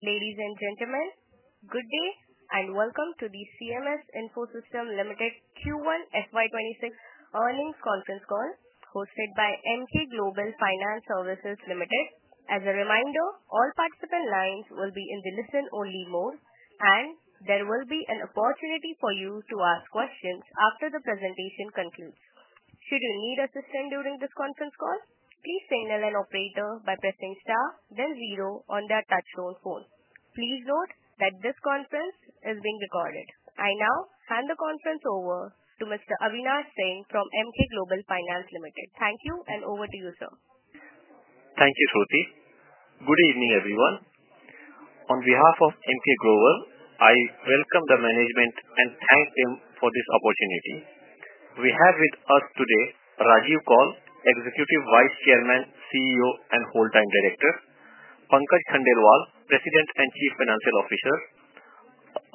Ladies and gentlemen, good day and welcome to the CMS Info Systems Limited Q1 FY 2026 earnings conference call hosted by Emkay Global Financial Services Limited. As a reminder, all participant lines will be in the listen-only mode, and there will be an opportunity for you to ask questions after the presentation concludes. Should you need assistance during this conference call, please signal an operator by pressing star, then zero on their touch tone phone. Please note that this conference is being recorded. I now hand the conference over to Mr. Avinash Singh from Emkay Global Financial Services Limited. Thank you and over to you, sir. Thank you, Sothi. Good evening, everyone. On behalf of Emkay Global, I welcome the management and thank them for this opportunity. We have with us today Rajiv Kaul, Executive Vice Chairman, CEO, and Full-Time Director, Pankaj Khandelwal, President and Chief Financial Officer,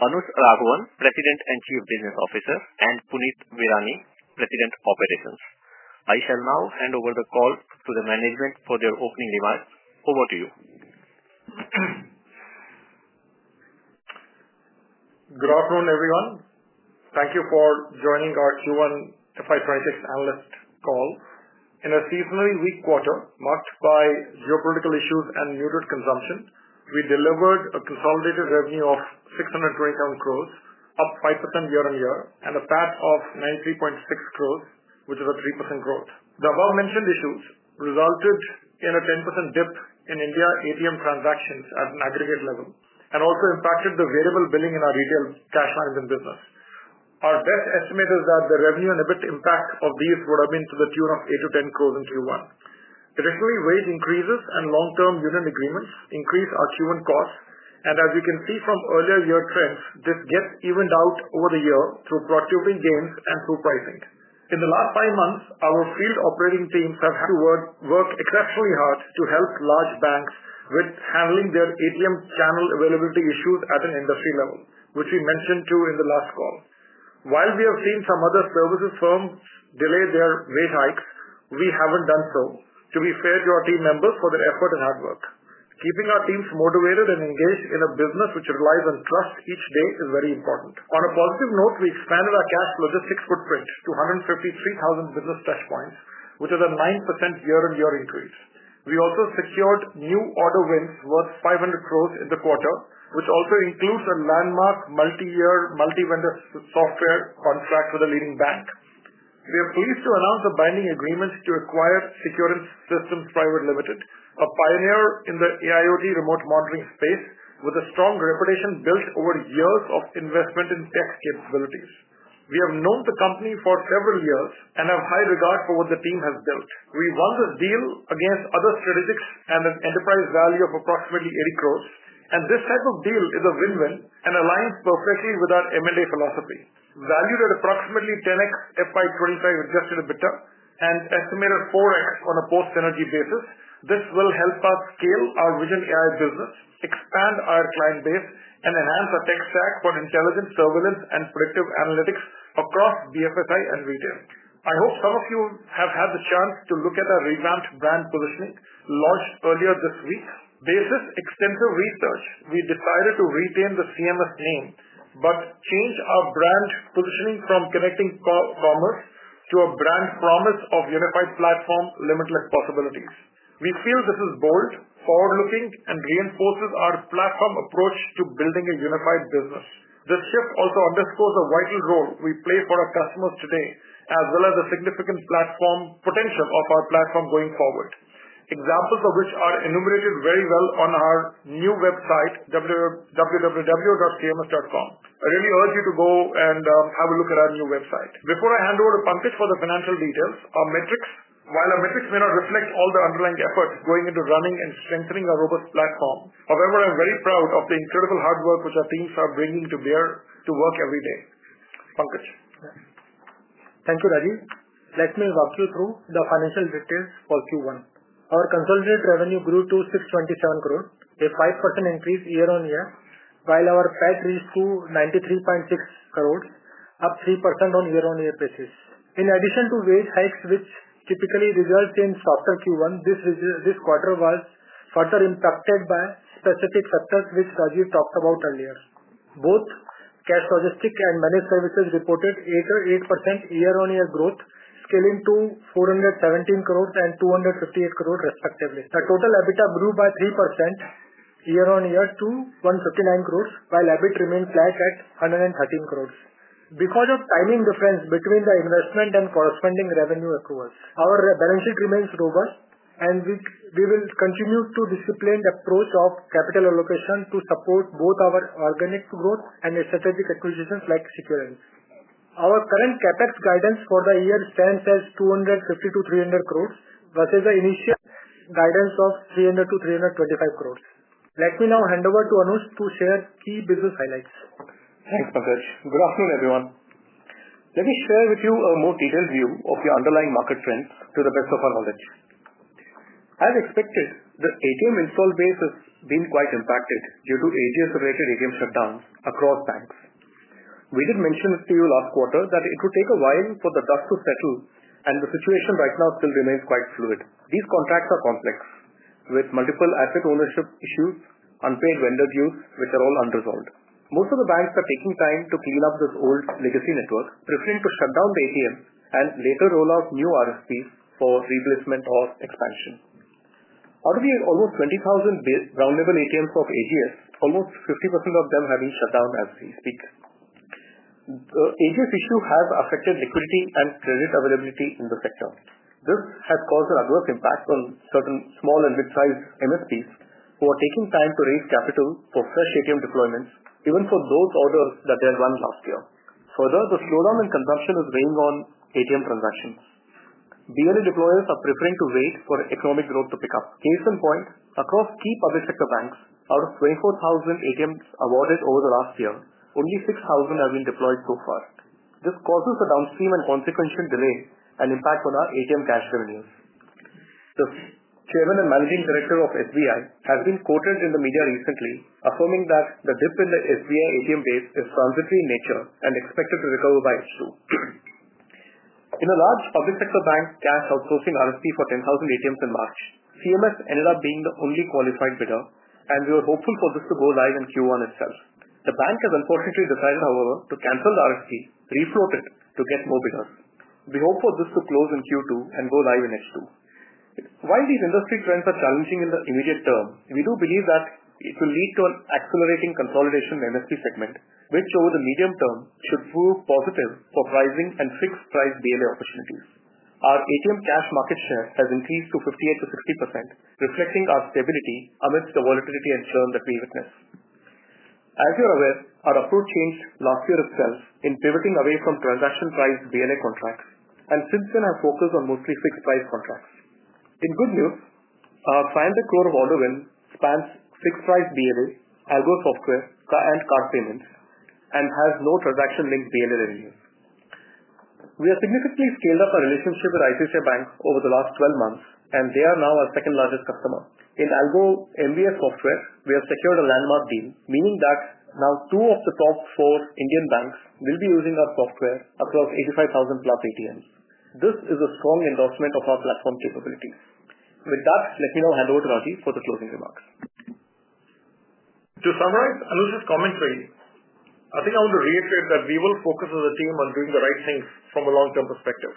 Anush Raghavan, President and Chief Business Officer, and Puneet Bhirani, President of Operations. I shall now hand over the call to the management for their opening remarks. Over to you. Good afternoon, everyone. Thank you for joining our Q1 FY 2026 analyst call. In a seasonally weak quarter marked by geopolitical issues and muted consumption, we delivered a consolidated revenue of 620 crore, up 5% year-on-year, and a PAT of 93.6 crore, which is a 3% growth. The above-mentioned issues resulted in a 10% dip in India ATM transactions at an aggregate level and also impacted the variable billing in our retail cash management business. Our best estimate is that the revenue and EBITDA impact of these would have been to the tune of 8 crore-10 crore in Q1. Additionally, wage increases and long-term union agreements increased our Q1 costs, and as you can see from earlier year trends, this gets evened out over the year through productivity gains and through pricing. In the last five months, our field operating teams have worked exceptionally hard to help large banks with handling their ATM channel availability issues at an industry level, which we mentioned too in the last call. While we have seen some other services firms delay their wage hikes, we haven't done so. To be fair to our team members for their effort and hard work, keeping our teams motivated and engaged in a business which relies on trust each day is very important. On a positive note, we expanded our cash logistics footprint to 153,000 business test points, which is a 9% year-on-year increase. We also secured new order wins worth 500 crore in the quarter, which also includes a landmark multi-year multi-vendor software contract with a leading bank. We are pleased to announce the binding agreements to acquire Securens Systems Private Limited, a pioneer in the AIoT remote monitoring space with a strong reputation built over years of investment in tech capabilities. We have known the company for several years and have high regard for what the team has built. We won this deal against other strategics at an enterprise value of approximately 80 crore, and this type of deal is a win-win and aligns perfectly with our M&A philosophy. Valued at approximately 10x FY 2025 adjusted EBITDA and estimated 4x on a post-synergy basis, this will help us scale our vision AI business, expand our client base, and enhance our tech stack for intelligence, surveillance, and predictive analytics across BFSI and retail. I hope some of you have had the chance to look at our revamped brand positioning launched earlier this week. Based on extensive research, we decided to retain the CMS name but change our brand positioning from connecting commerce to a brand promise of unified platform, limitless possibilities. We feel this is bold, forward-looking, and reinforces our platform approach to building a unified business. This shift also underscores the vital role we play for our customers today, as well as the significant platform potential of our platform going forward, examples of which are enumerated very well on our new website, www.cms.com. I really urge you to go and have a look at our new website. Before I hand over to Pankaj for the financial details, while our metrics may not reflect all the underlying efforts going into running and strengthening our robust platform, I'm very proud of the incredible hard work which our teams are bringing to bear to work every day. Pankaj. Thank you, Rajiv. Let me walk you through the financial details for Q1. Our consolidated revenue grew to 627 crore, a 5% increase year-on-year, while our PAT grew to 93.6 crore, up 3% on a year-on-year basis. In addition to wage hikes, which typically result in a softer Q1, this quarter was further impacted by specific factors which Rajiv talked about earlier. Both cash logistics and managed services reported 88% year-on-year growth, scaling to 417 crore and 258 crore, respectively. Our total EBITDA grew by 3% year-on-year to 159 crore, while EBITDA remained flat at 113 crore. Because of the timing difference between the investment and corresponding revenue accruals, our balance sheet remains robust, and we will continue to discipline the approach of capital allocation to support both our organic growth and strategic acquisitions like Securens. Our current CapEx guidance for the year stands at 250 crore-300 crore versus the initial guidance of 300 crore-325 crore. Let me now hand over to Anush to share key business highlights. Thanks, Pankaj. Good afternoon, everyone. Let me share with you a more detailed view of your underlying market trends to the best of our knowledge. As expected, the ATM install base has been quite impacted due to agency-related ATM shutdowns across banks. We did mention this to you last quarter that it would take a while for the dust to settle, and the situation right now still remains quite fluid. These contracts are complex, with multiple asset ownership issues, unpaid vendor dues, which are all unresolved. Most of the banks are taking time to clean up this old legacy network, preferring to shut down the ATMs and later roll out new RSP for replacement or expansion. Out of the almost 20,000 ground-level ATMs of AGS, almost 50% of them have been shut down as we speak. The AGS issue has affected liquidity and credit availability in the sector. This has caused an adverse impact on certain small and mid-sized MSPs who are taking time to raise capital for fresh ATM deployments, even for those orders that they had run last year. Further, the slowdown in consumption is weighing on ATM transactions. BNE deployers are preparing to wait for economic growth to pick up. Case in point, across key public sector banks, out of 24,000 ATMs awarded over the last year, only 6,000 have been deployed so far. This causes a downstream and consequential delay and impact on our ATM cash revenues. The Chairman and Managing Director of SBI has been quoted in the media recently, affirming that the dip in the SBI ATM base is transitory in nature and expected to recover by Q2. In a large public sector bank's cash outsourcing RSP for 10,000 ATMs in March, CMS ended up being the only qualified bidder, and we were hopeful for this to go live in Q1 itself. The bank has unfortunately decided, however, to cancel the RSP, refloat it to get more bidders. We hope for this to close in Q2 and go live in H2. While these industry trends are challenging in the immediate term, we do believe that it will lead to an accelerating consolidation in the MSP segment, which over the medium term should prove positive for rising and fixed-price BNE opportunities. Our ATM cash market share has increased to 58%-50%, reflecting our stability amidst the volatility and churn that we witness. As you're aware, our approach changed last year itself in pivoting away from transaction-priced BNE contracts, and since then, our focus is on mostly fixed-price contracts. In good news, our INR 500 crore of order win spans fixed-price BLAs, Algo Software, and card payments, and has no transaction-linked BLA revenues. We have significantly scaled up our relationship with RBL Bank over the last 12 months, and they are now our second largest customer. In Algo MBS Software, we have secured a landmark deal, meaning that now two of the top four Indian banks will be using our software across 85,000 plus ATMs. This is a strong endorsement of our platform capabilities. With that, let me now hand over to Rajiv for the closing remarks. To summarize Anush's commentary, I think I want to reiterate that we will focus as a team on doing the right things from a long-term perspective.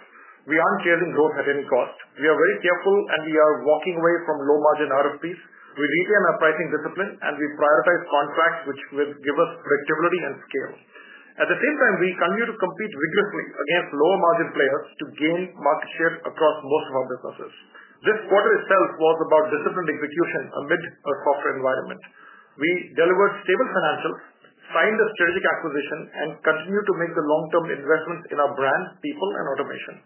We aren't chasing growth at any cost. We are very careful, and we are walking away from low-margin RSPs. We retain our pricing discipline, and we prioritize contracts which will give us predictability and scale. At the same time, we continue to compete vigorously against lower-margin players to gain market share across most of our businesses. This quarter itself was about disciplined execution amidst our corporate environment. We delivered stable financials, signed a strategic acquisition, and continue to make the long-term investments in our brand, people, and automation.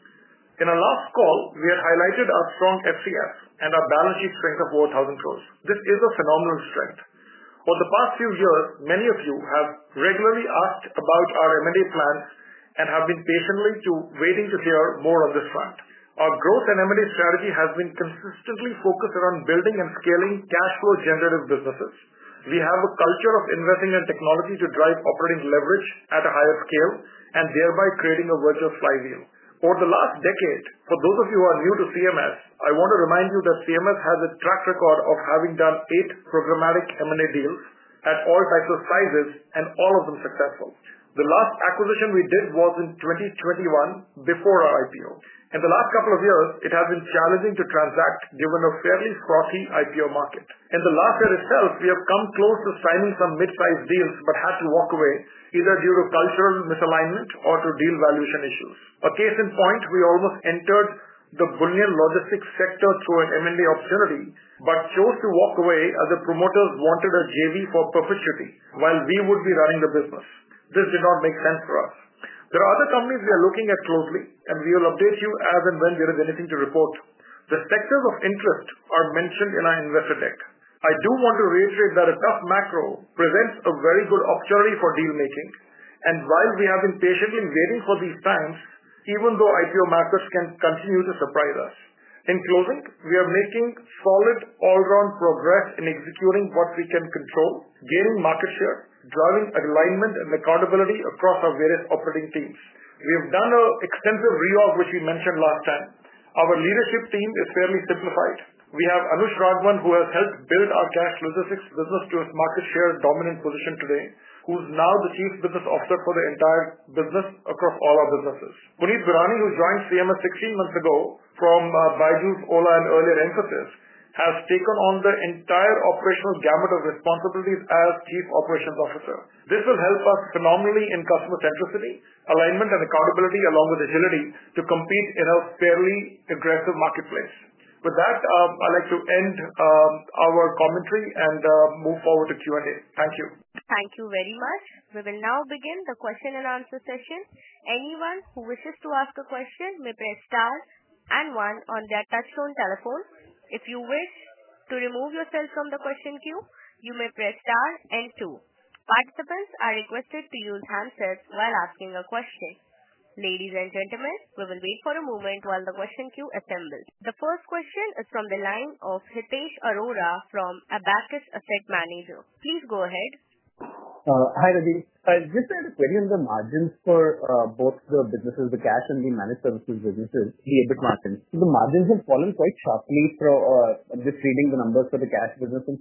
In our last call, we had highlighted our strong FCF and our balance sheet strength of 4,000 crore. This is a phenomenal strength. Over the past few years, many of you have regularly asked about our M&A plans and have been patiently waiting to hear more on this plan. Our growth and M&A strategy has been consistently focused around building and scaling cash-flow-generative businesses. We have a culture of investing in technology to drive operating leverage at a higher scale and thereby creating a virtual flywheel. Over the last decade, for those of you who are new to CMS, I want to remind you that CMS has a track record of having done eight programmatic M&A deals at all types of sizes, and all of them successful. The last acquisition we did was in 2021 before our IPO. In the last couple of years, it has been challenging to transact, given a fairly scrappy IPO market. In the last year itself, we have come close to signing some mid-price deals but had to walk away, either due to cultural misalignment or to deal valuation issues. A case in point, we almost entered the bullion logistics sector through an M&A opportunity but chose to walk away as the promoters wanted a JV for perpetuity while we would be running the business. This did not make sense for us. There are other companies we are looking at closely, and we will update you as and when there is anything to report. The sectors of interest are mentioned in our investor deck. I do want to reiterate that a tough macro presents a very good opportunity for deal-making, and while we have been patiently waiting for these times, even though IPO markets can continue to surprise us. In closing, we are making solid all-round progress in executing what we can control, gaining market share, driving alignment and accountability across our various operating teams. We have done an extensive reorg, which we mentioned last time. Our leadership team is fairly simplified. We have Anush Raghavan, who has helped build our cash logistics business to its market share dominant position today, who's now the Chief Business Officer for the entire business across all our businesses. Puneet Bhirani, who joined CMS Info Systems 16 months ago from Byju's, Ola, and earlier Encompass, has taken on the entire operational gamut of responsibilities as Chief Operations Officer. This will help us phenomenally in customer centricity, alignment, and accountability, along with agility to compete in a fairly aggressive marketplace. With that, I'd like to end our commentary and move forward to Q&A. Thank you. Thank you very much. We will now begin the question and answer session. Anyone who wishes to ask a question may press star and one on their touch-tone telephone. If you wish to remove yourself from the question queue, you may press star and two. Participants are requested to use handsets while asking a question. Ladies and gentlemen, we will wait for a moment while the question queue assembles. The first question is from the line of Hitesh Arora from Abakkus Asset Manager. Please go ahead. Hi, Rajiv. I was just requesting the query on the margins for both the businesses, the cash and the managed services businesses, the EBITDA margins. The margins have fallen quite sharply from just reading the numbers for the cash business from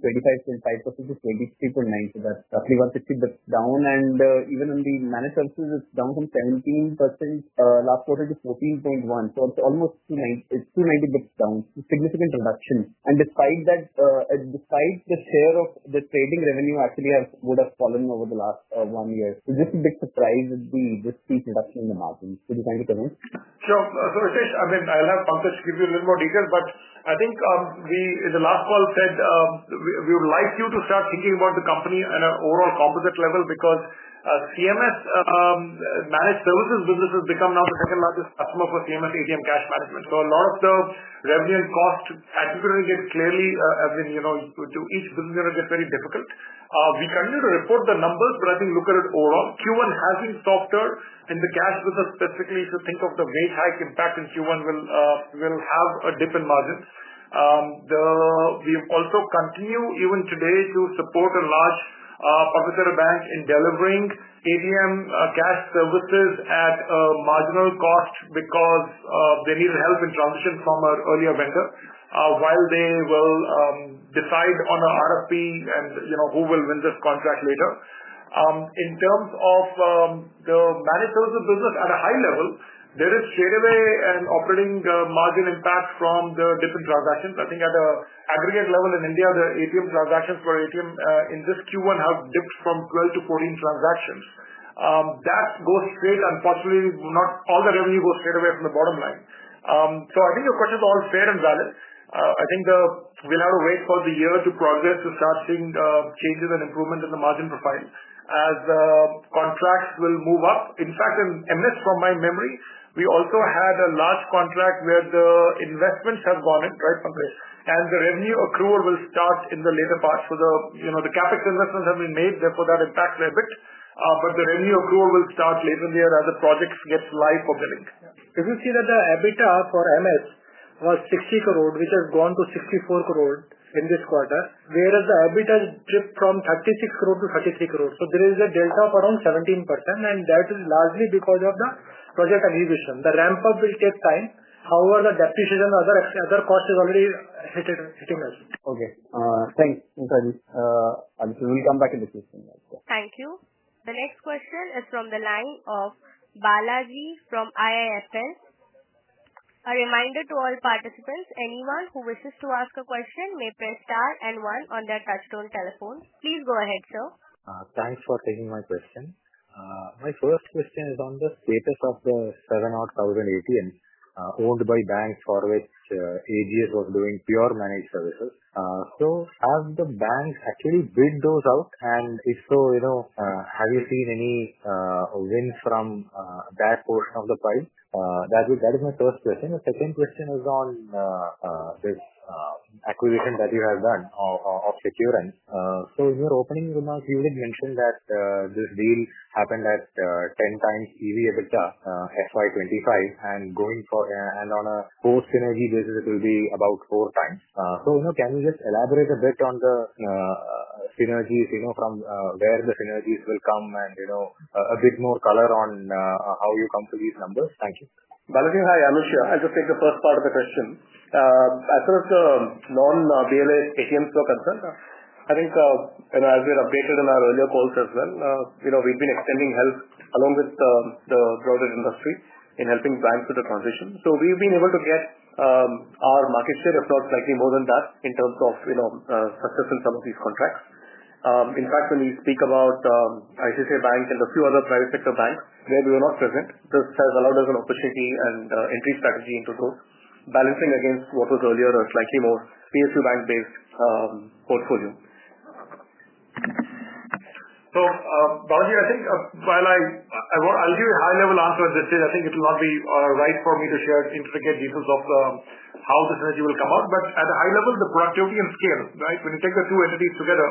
35.5%-33.9%. That's roughly 150 basis points down, and even on the managed services, it's down from 17% last quarter to 14.1%. It's almost 290 basis points down. It's a significant reduction. Despite that, the share of the trading revenue actually would have fallen over the last one year. Is this a big surprise that this huge reduction in the margins? Could you kindly comment? Hitesh, I'll have Pankaj give you a little more detail, but I think the last call said we would like you to start thinking about the company on an overall composite level because the CMS managed services business has become now the second largest customer for CMS ATM cash management. A lot of the revenue and costs aggregating it clearly, as in, you know, to each business unit is very difficult. We continue to report the numbers, but I think look at it overall. Q1 has been softer in the cash business specifically, so think of the wage hike impact in Q1 will have a dip in margins. We also continue even today to support a large public sector bank in delivering ATM cash services at a marginal cost because they needed help in transition from our earlier banker. While they will decide on an RFP and, you know, who will win this contract later. In terms of the managed services business at a high level, there is straight away an operating margin impact from the different transactions. I think at an aggregate level in India, the ATM transactions for ATM in this Q1 have dipped from 12 to 14 transactions. That goes straight, unfortunately, not all the revenue goes straight away from the bottom line. I think your question is all fair and valid. I think we'll have to wait for the year to progress to start seeing changes and improvements in the margin profiles as contracts will move up. In fact, in M&A, from my memory, we also had a last contract where the investments have gone up, right, Sunday? The revenue accrual will start in the later part. The CapEx investments have been made for that impact a bit, but the revenue accrual will start later in the year as the project gets live for billing. If you see that the EBITDA for M&A was 60 crore, which has gone to 64 crore in this quarter, whereas the EBITDA has dipped from 36 crore-33 crore. There is a delta of around 17%, and that is largely because of the project aggregation. The ramp-up will take time. However, the deficits and other costs have already hit us. Okay, thanks. Thank you, Anush. We'll come back to this next time. Thank you. The next question is from the line of Balaji Subramanian from IIFL. A reminder to all participants, anyone who wishes to ask a question may press star and one on their touch-tone telephone. Please go ahead, sir. Thanks for taking my question. My first question is on the status of the 70,000 ATMs owned by banks for which AGS was doing pure managed services. Have the banks actually bid those out? If so, have you seen any wins from that portion of the price? That is my first question. The second question is on this acquisition that you have done of Securens. In your opening remarks, you did mention that this deal happened at 10 times EBITDA FY 2025, and on a post-synergy basis, it will be about 4x. Can you just elaborate a bit on the synergies, from where the synergies will come, and a bit more color on how you come to these numbers? Thank you. Balaji, hi, Anush. I'll just take the first part of the question. As far as the non-BNE ATMs are concerned, as we've updated in our earlier calls as well, we've been extending help along with the private industry in helping banks with the transition. We've been able to get our market share, if not slightly more than that, in terms of success in some of these contracts. In fact, when we speak about ICICI Bank and a few other private sector banks where we were not present, this has allowed us an opportunity and entry strategy into growth, balancing against what was earlier a slightly more PSU bank-based portfolio. Balaji, I think while I want I'll give you a high-level answer at this stage, I think it will not be right for me to share intricate details of how the synergy will come out. At a high level, the productivity and scale, right, when you take the two entities together,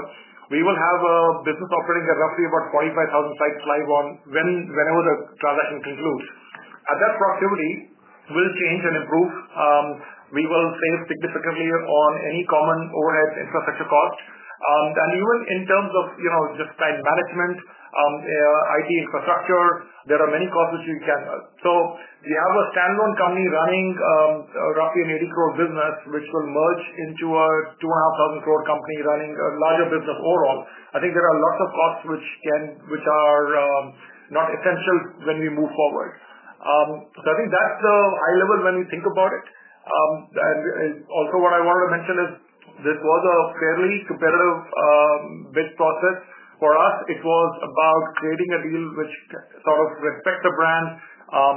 we will have a business operating at roughly about 45,000 sites live whenever the transaction concludes. At that productivity will change and improve. We will save significantly on any common overheads, infrastructure costs, and even in terms of just time management, IT infrastructure, there are many costs which we can. Do you have a standalone company running a roughly 80 crore business which will merge into a 2,500 crore company running a larger business overall? I think there are lots of costs which are not essential when we move forward. I think that's the high level when we think about it. Also what I wanted to mention is this was a fairly competitive bid process for us. It was about creating a deal which sort of respects the brand,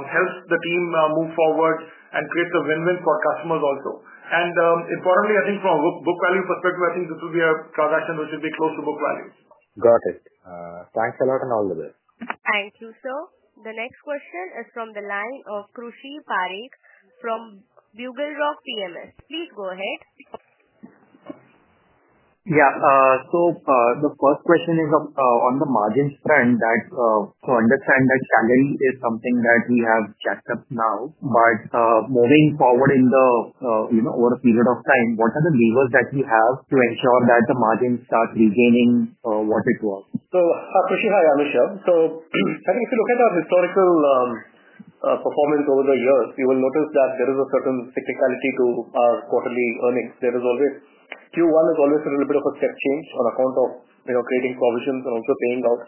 helps the team move forward, and creates a win-win for customers also. Importantly, I think from a book value perspective, I think this would be a transaction which would be close to book value. Got it. Thanks a lot on all of this. Thank you, sir. The next question is from the line of Krushi Parekh from BugleRock PMS. Please go ahead. Yeah. The first question is on the margins trend. To understand that challenge is something that we have jacked up now. Moving forward, over a period of time, what are the levers that you have to ensure that the margins start regaining what it was? Hi, Anush. I think if you look at our historical performance over the year, you will notice that there is a certain cyclicality to our quarterly earnings. There is always Q1 is almost a little bit of a set scheme on account of, you know, creating provisions and also paying out.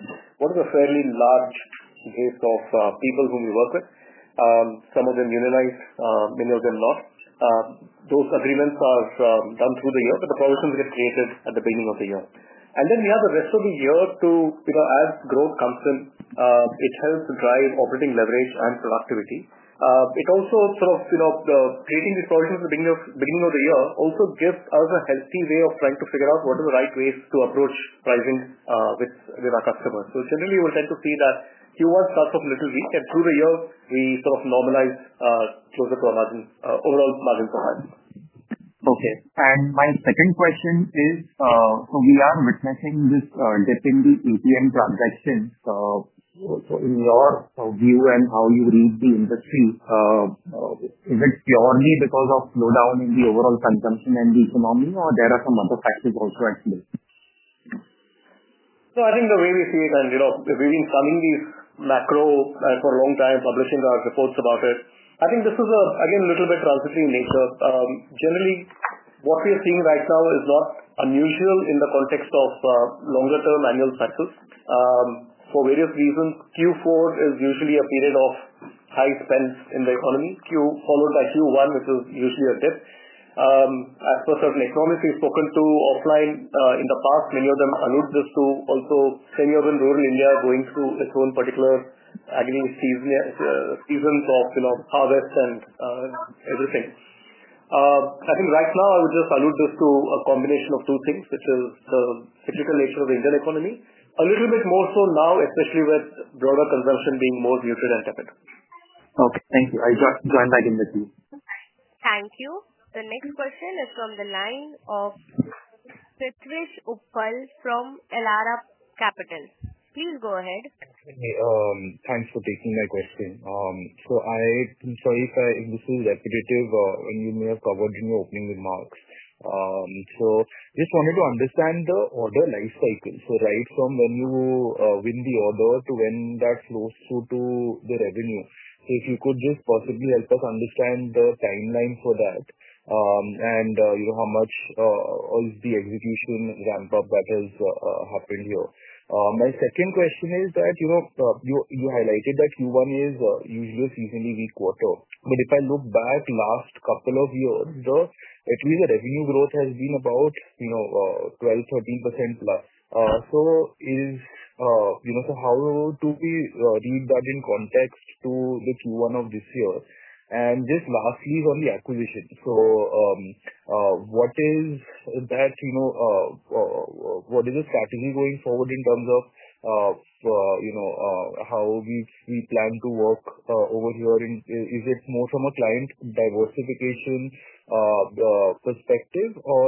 One of the fairly large gates of people whom we work with, some of them unionized, many of them lost. Those agreements are done through the year, but the provisions get created at the beginning of the year. We have the rest of the year to, you know, as growth comes in, which helps drive operating leverage and productivity. It also sort of, you know, creating these provisions at the beginning of the year also gives us a healthy way of trying to figure out what are the right ways to approach pricing with our customers. Generally, we tend to see that Q1 starts off little weak, and through the year, we sort of normalize those overall margins ahead. Okay. My second question is, we are witnessing this dip in the ATM transactions. In your view and how you read the industry, is it purely because of slowdown in the overall consumption and the economy, or are there some other factors also? I think the way we see it, and reading some of these macro for a long time publishing reports about it, this is, again, a little bit transition in nature. Generally, what we are seeing right now is not unusual in the context of longer-term annual success. For various reasons, Q4 is usually a period of high spends in the economy, followed by Q1, which is usually a dip. As for certain economics we've spoken to offline in the past, many of them allude this to also semi-urban rural India going through its own particular agony season of harvest and everything. I think right now, I would just allude this to a combination of two things, which is the cyclical nature of the Indian economy, a little bit more so now, especially with broader consumption being more muted and tepid. Okay, thank you. I'll join that and the team. Thank you. The next question is from the line of Satish Uppal from Ellada Capital. Please go ahead. Thanks for taking that question. I'm sorry if I'm initially repetitive, and you may have covered in your opening remarks. I just wanted to understand the order lifecycle. Right from when you win the order to when that flows through to the revenue, if you could just possibly help us understand the timeline for that, and you know how much is the execution ramp-up that has happened here. My second question is that you highlighted that Q1 is usually a seasonally weak quarter. If I look back last couple of years, at least the revenue growth has been about 12%, 13%+. How do we read that in context to the Q1 of this year? Just lastly, on the acquisition, what is the strategy going forward in terms of how we plan to work over here? Is it more from a client diversification perspective or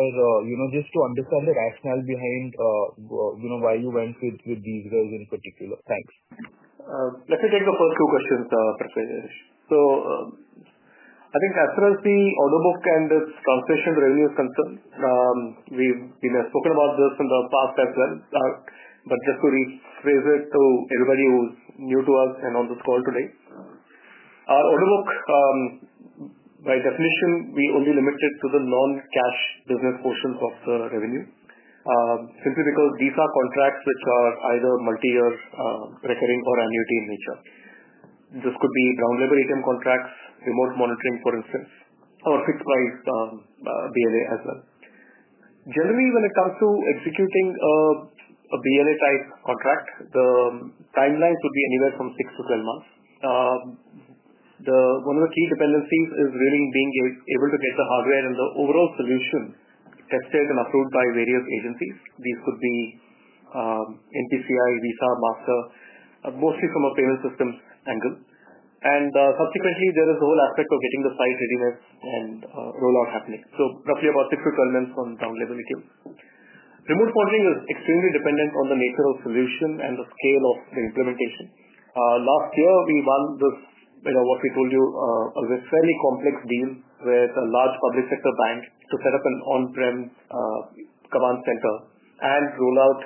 just to understand the rationale behind why you went with these companies in particular? Thanks. Let me take the first two questions, Prakash. I think as far as the order book and its calculation revenue is concerned, we've spoken about this in the past as well. Just to rephrase it to anybody who's new to us and on this call today, our order book, by definition, we only limit it to the non-cash business portions of the revenue, simply because these are contracts which are either multi-year recurring or annuity in nature. This could be ground-level ATM contracts, remote monitoring, for instance, or fixed-price BNE as well. Generally, when it comes to executing a BNE-sized contract, the timeline could be anywhere from six to 10 months. One of the key dependencies is really being able to get the hardware and the overall solution tested and approved by various agencies. These could be NPCI, Visa, Mastercard, mostly from a payment systems angle. Subsequently, there is a whole aspect of getting the site readiness and rollout happening. Roughly about 6 to 12 months on ground-level ATMs. Remote monitoring is extremely dependent on the nature of the solution and the scale of the implementation. Last year, we won this, you know, what we told you, a very complex deal where it's a large public sector bank to set up an on-prem command center and roll out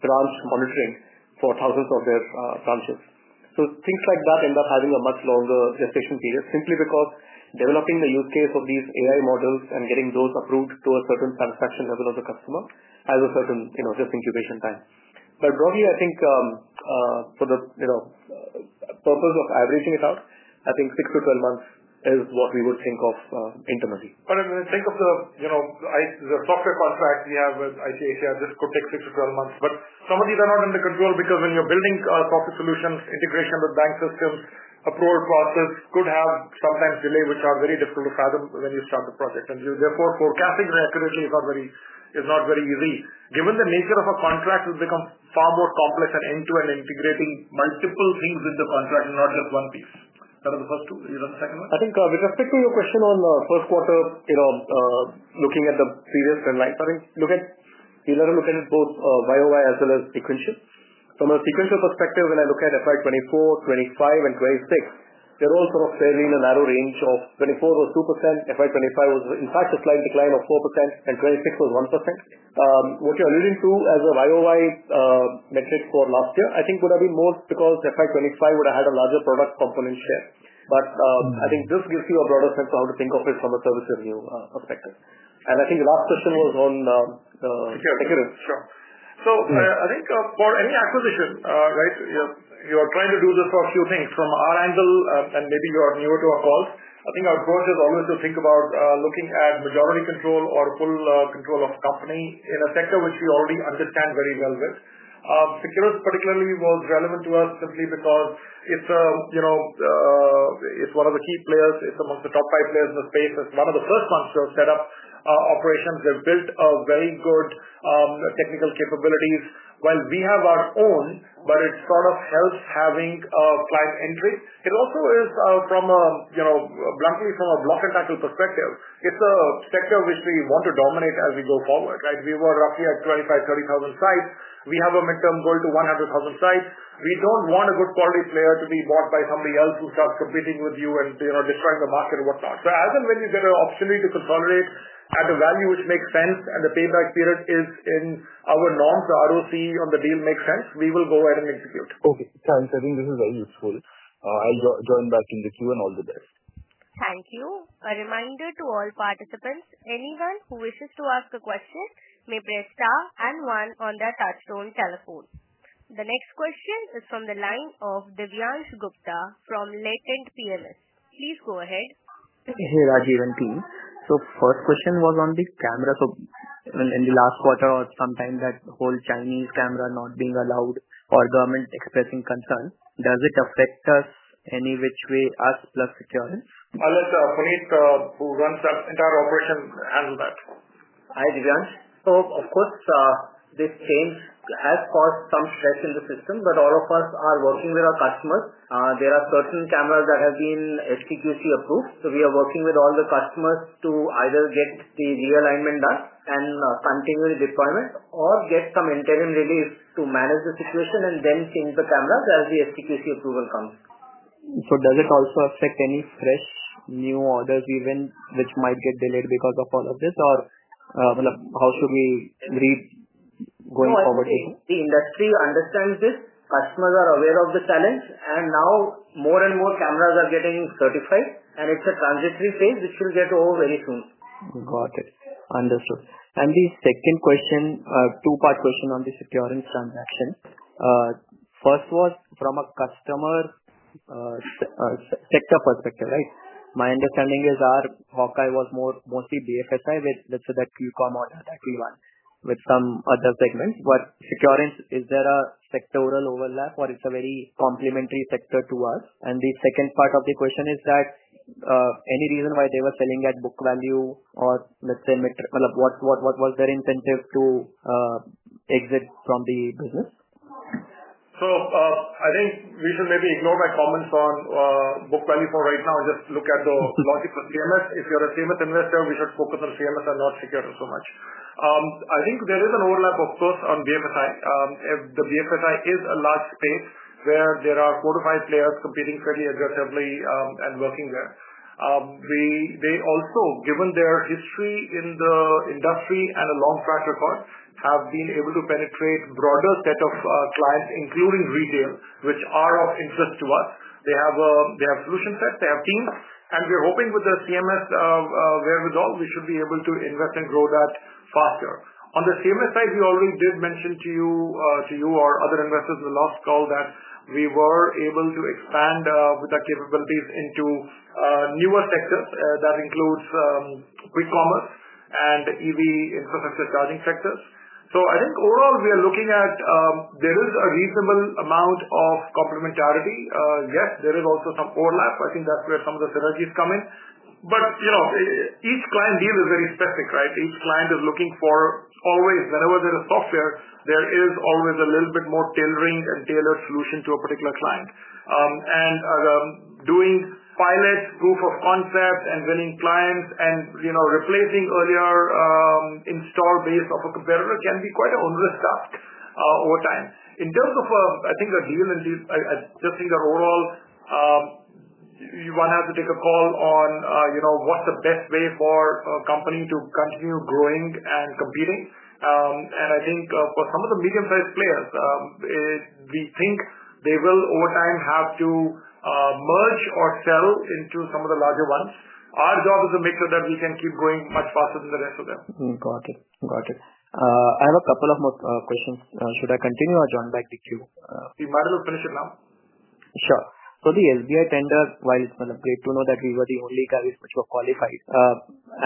branch monitoring for thousands of their transfers. Things like that end up having a much longer gestation period simply because developing the use case of these AI models and getting those approved to a certain satisfaction level of the customer has a certain, you know, just incubation time. Broadly, I think for the purpose of averaging it out, I think 6 to 12 months is what we would think of internally. I mean, I think of the, you know, the software contract we have with ICICI, this could take six to 12 months. Some of these are not under control because when you're building a corporate solution, integration with bank systems, approval process could have sometimes delays, which are very difficult to fathom when you start the project. You're therefore forecasting the accuracy is not very easy. Given the nature of a contract, it becomes far more complex and integrating multiple things with the contract and not just one piece. That is the first one. The second one, I think with respect to your question on the first quarter, looking at the previous and I think look at, you've got to look at it both YoY as well as sequential. From a sequential perspective, when I look at FY 2024, 2025, and 2026, they're all sort of staying in a narrow range. FY 2024 was 2%, FY 2025 was in fact a slight decline of 4%, and 2026 was 1%. What you're alluding to as a YoY metric for last year, I think would have been more because FY 2025 would have had a larger product component share. I think this gives you a broader sense of how to think of it from a service review perspective. I think the last question was on security. Sure. For any acquisition, you are trying to do this on a few things. From our angle, and maybe you are newer to our calls, I think our approach is always to think about looking at majority control or full control of the company in a sector which we already understand very well. Securens particularly was relevant to us simply because it's one of the key players. It's amongst the top five players in the space. It's one of the first ones to have set up operations. They've built very good technical capabilities. While we have our own, it sort of helps having a client entry. It also is, bluntly, from a block and tackle perspective, a sector which we want to dominate as we go forward, right? We were roughly at 25,000-30,000 sites. We have a midterm goal to 100,000 sites. We don't want a good quality player to be bought by somebody else who starts competing with you and destroys the market and whatnot. As and when you get an opportunity to consolidate at a value which makes sense and the payback period is in our norms, the ROC on the deal makes sense, we will go ahead and execute. Okay, thanks. I think this is very useful. I'll join that in the queue, and all the best. Thank you. A reminder to all participants, anyone who wishes to ask a question may press star and one on their touch-tone telephone. The next question is from the line of Divyansh Gupta from Latent PMS. Please go ahead. Hey, Rajiv and team. First question was on the camera in the last quarter or sometimes that whole Chinese camera not being allowed or government expressing concern. Does it affect us any which way, us plus Securens? I'll let Puneet, who runs our entire operation, handle that. Hi, Divyansh. This change has caused some stress in the system, but all of us are working with our customers. There are certain cameras that have been STQC approved. We are working with all the customers to either get the realignment done and continue the deployment or get some interim release to manage the situation and then change the cameras as the STQC approval comes. Does it also affect any fresh new orders which might get delayed because of all of this? How should we read going forward? The industry understands this. Customers are aware of the challenge. More and more cameras are getting certified. It's a transitory phase. This should get over very soon. Got it. Understood. The second question is a two-part question on the Securens transaction. First, from a customer sector perspective, right? My understanding is our Hawkeye was mostly BFSI, with, let's say, that QCOM on that E1 with some other segments. Is there a sectoral overlap with Securens, or is it a very complementary sector to us? The second part of the question is, is there any reason why they were selling at book value, or, let's say, what was their incentive to exit from the business? I think we should maybe ignore my comments on book value for right now and just look at the logic of CMS. If you're a CMS investor, we should focus on CMS and not Securens so much. I think there is an overlap, of course, on BFSI. The BFSI is a large space where there are four to five players competing fairly aggressively and working there. They also, given their history in the industry and a long track record, have been able to penetrate broader sets of clients, including retail, which are of interest to us. They have solution sets, they have teams, and we're hoping with the CMS wherewithal, we should be able to invest and grow that faster. On the CMS side, we already did mention to you or other investors in the last call that we were able to expand with our capabilities into newer sectors that include quick commerce and EV infrastructure charging sectors. I think overall, we are looking at there is a reasonable amount of complementarity. Yes, there is also some overlap. That's where some of the synergies come in. Each client deal is very specific, right? Each client is looking for always, whenever there is software, there is always a little bit more tailoring and tailored solution to a particular client. Doing pilots, proof of concepts, and winning clients, and replacing earlier install base of a competitor can be quite an onerous task over time. In terms of a deal indeed, I just think that overall, one has to take a call on what's the best way for a company to continue growing and competing. I think for some of the medium-sized players, we think they will over time have to merge or sell into some of the larger ones. Our job is to make sure that we can keep going much faster than the rest of them. Got it. I have a couple of more questions. Should I continue or join back with you? You might as well finish it now. Sure. For the SBI tender, while it's been upgraded, to know that we were the only guys which were qualified,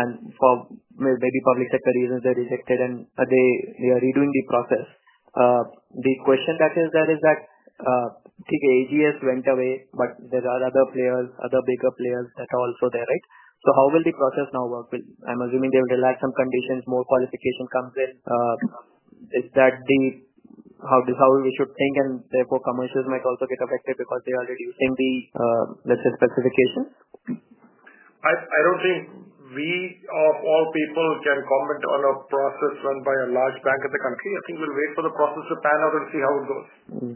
and for maybe public sector reasons, they rejected and they are redoing the process. The question that is there is that, AGS went away, but there are other players, other bigger players that are also there, right? How will the process now work? I'm assuming they will relax some conditions, more qualification comes in. Is that how we should think, and therefore, commercials might also get affected because they already received the specification? I don't think we or people can comment on a process run by a large bank in the country. I think we'll wait for the process to pan out and see how it goes.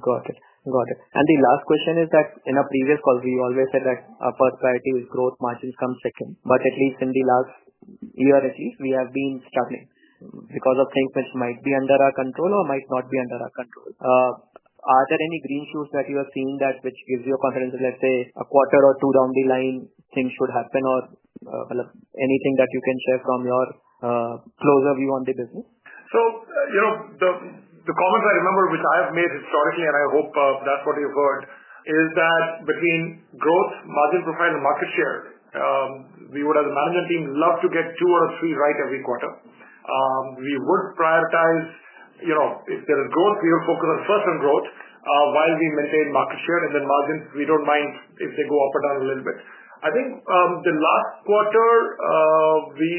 Got it. Got it. The last question is that in a previous call, we always said that our priority is growth, margins come second. At least in the last year, we have been struggling because of things which might be under our control or might not be under our control. Are there any green shoots that you are seeing that give you confidence that, let's say, a quarter or two down the line, things should happen? Is there anything that you can share from your closer view on the business? The comments I remember which I have made historically, and I hope that's what you've heard, are that between growth, margin profile, and market share, we would, as a management team, love to get two out of three right every quarter. We would prioritize, if there is growth, we would focus first on growth while we maintain market share. Then margins, we don't mind if they go up or down a little bit. I think the last quarter, we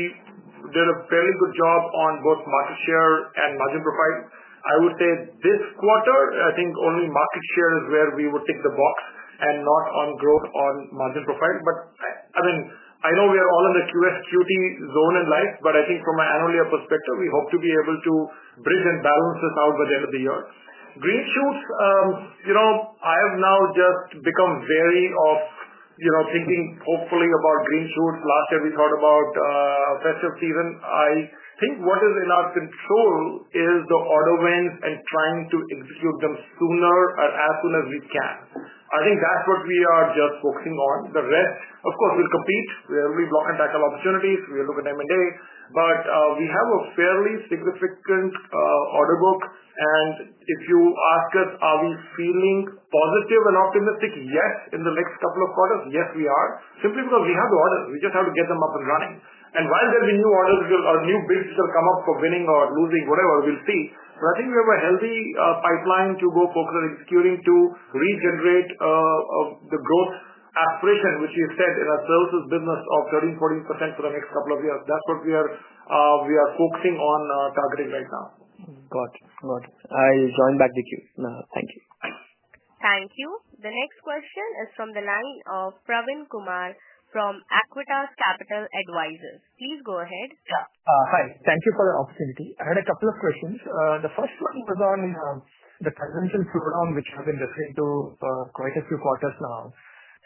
did a very good job on both market share and margin profile. I would say this quarter, only market share is where we would take the buck and not on growth or margin profile. I know we are all in the QSQT zone and life, but from an annual year perspective, we hope to be able to bridge and balance this out by the end of the year. Green shoes, I have now just become very wary of thinking hopefully about green shoes. Last year, we thought about a festive season. What is in our control is the order wins and trying to execute them sooner and as soon as we can. That's what we are just focusing on. The rest, of course, we'll compete. We'll be block and tackle opportunities. We'll look at M&A. We have a fairly significant order book. If you ask us, are we feeling positive and optimistic? Yes, in the next couple of quarters, yes, we are, simply because we have the orders. We just have to get them up and running. While there'll be new orders or new bids that come up for winning or losing, whatever, we'll see. I think we have a healthy pipeline to go focus on executing to regenerate the growth aspiration, which we have said in our services business of 30%-40% for the next couple of years. That's what we are focusing on targeting right now. Got it. I'll join back with you now. Thank you. Thank you. The next question is from the line of Praveen Kumar from Equitas Capital Advisors. Please go ahead. Hi. Thank you for the opportunity. I had a couple of questions. The first one was on the transformation slowdown, which has been happening for quite a few quarters now.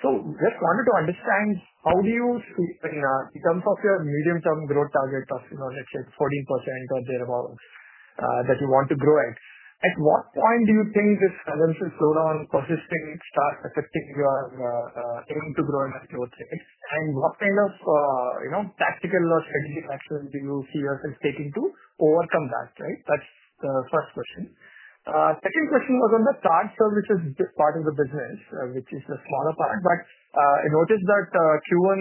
I just wanted to understand, in terms of your medium-term growth targets, I think it's 14% or thereabouts, that you want to grow it. At what point do you think this slowdown, consistently, starts affecting your aim to grow in the growth? What kind of tactical strategy do you see yourself taking to overcome that? That's the first question. The second question was on the card services, which is part of the business, which is a smaller part. I noticed that Q1,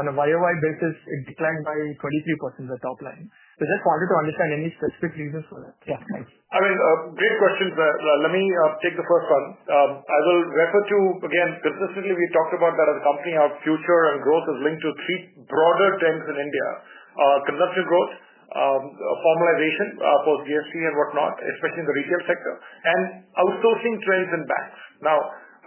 on a YoY basis, it declined by 23% of the top line. I just wanted to understand any specific reasons for that. Yeah. I mean, great questions. Let me take the first one. I will refer to, again, businesses we talked about that as a company, our future and growth is linked to three broader trends in India: our consumption growth, formalization for GST and whatnot, especially in the retail sector, and outsourcing trends in banks.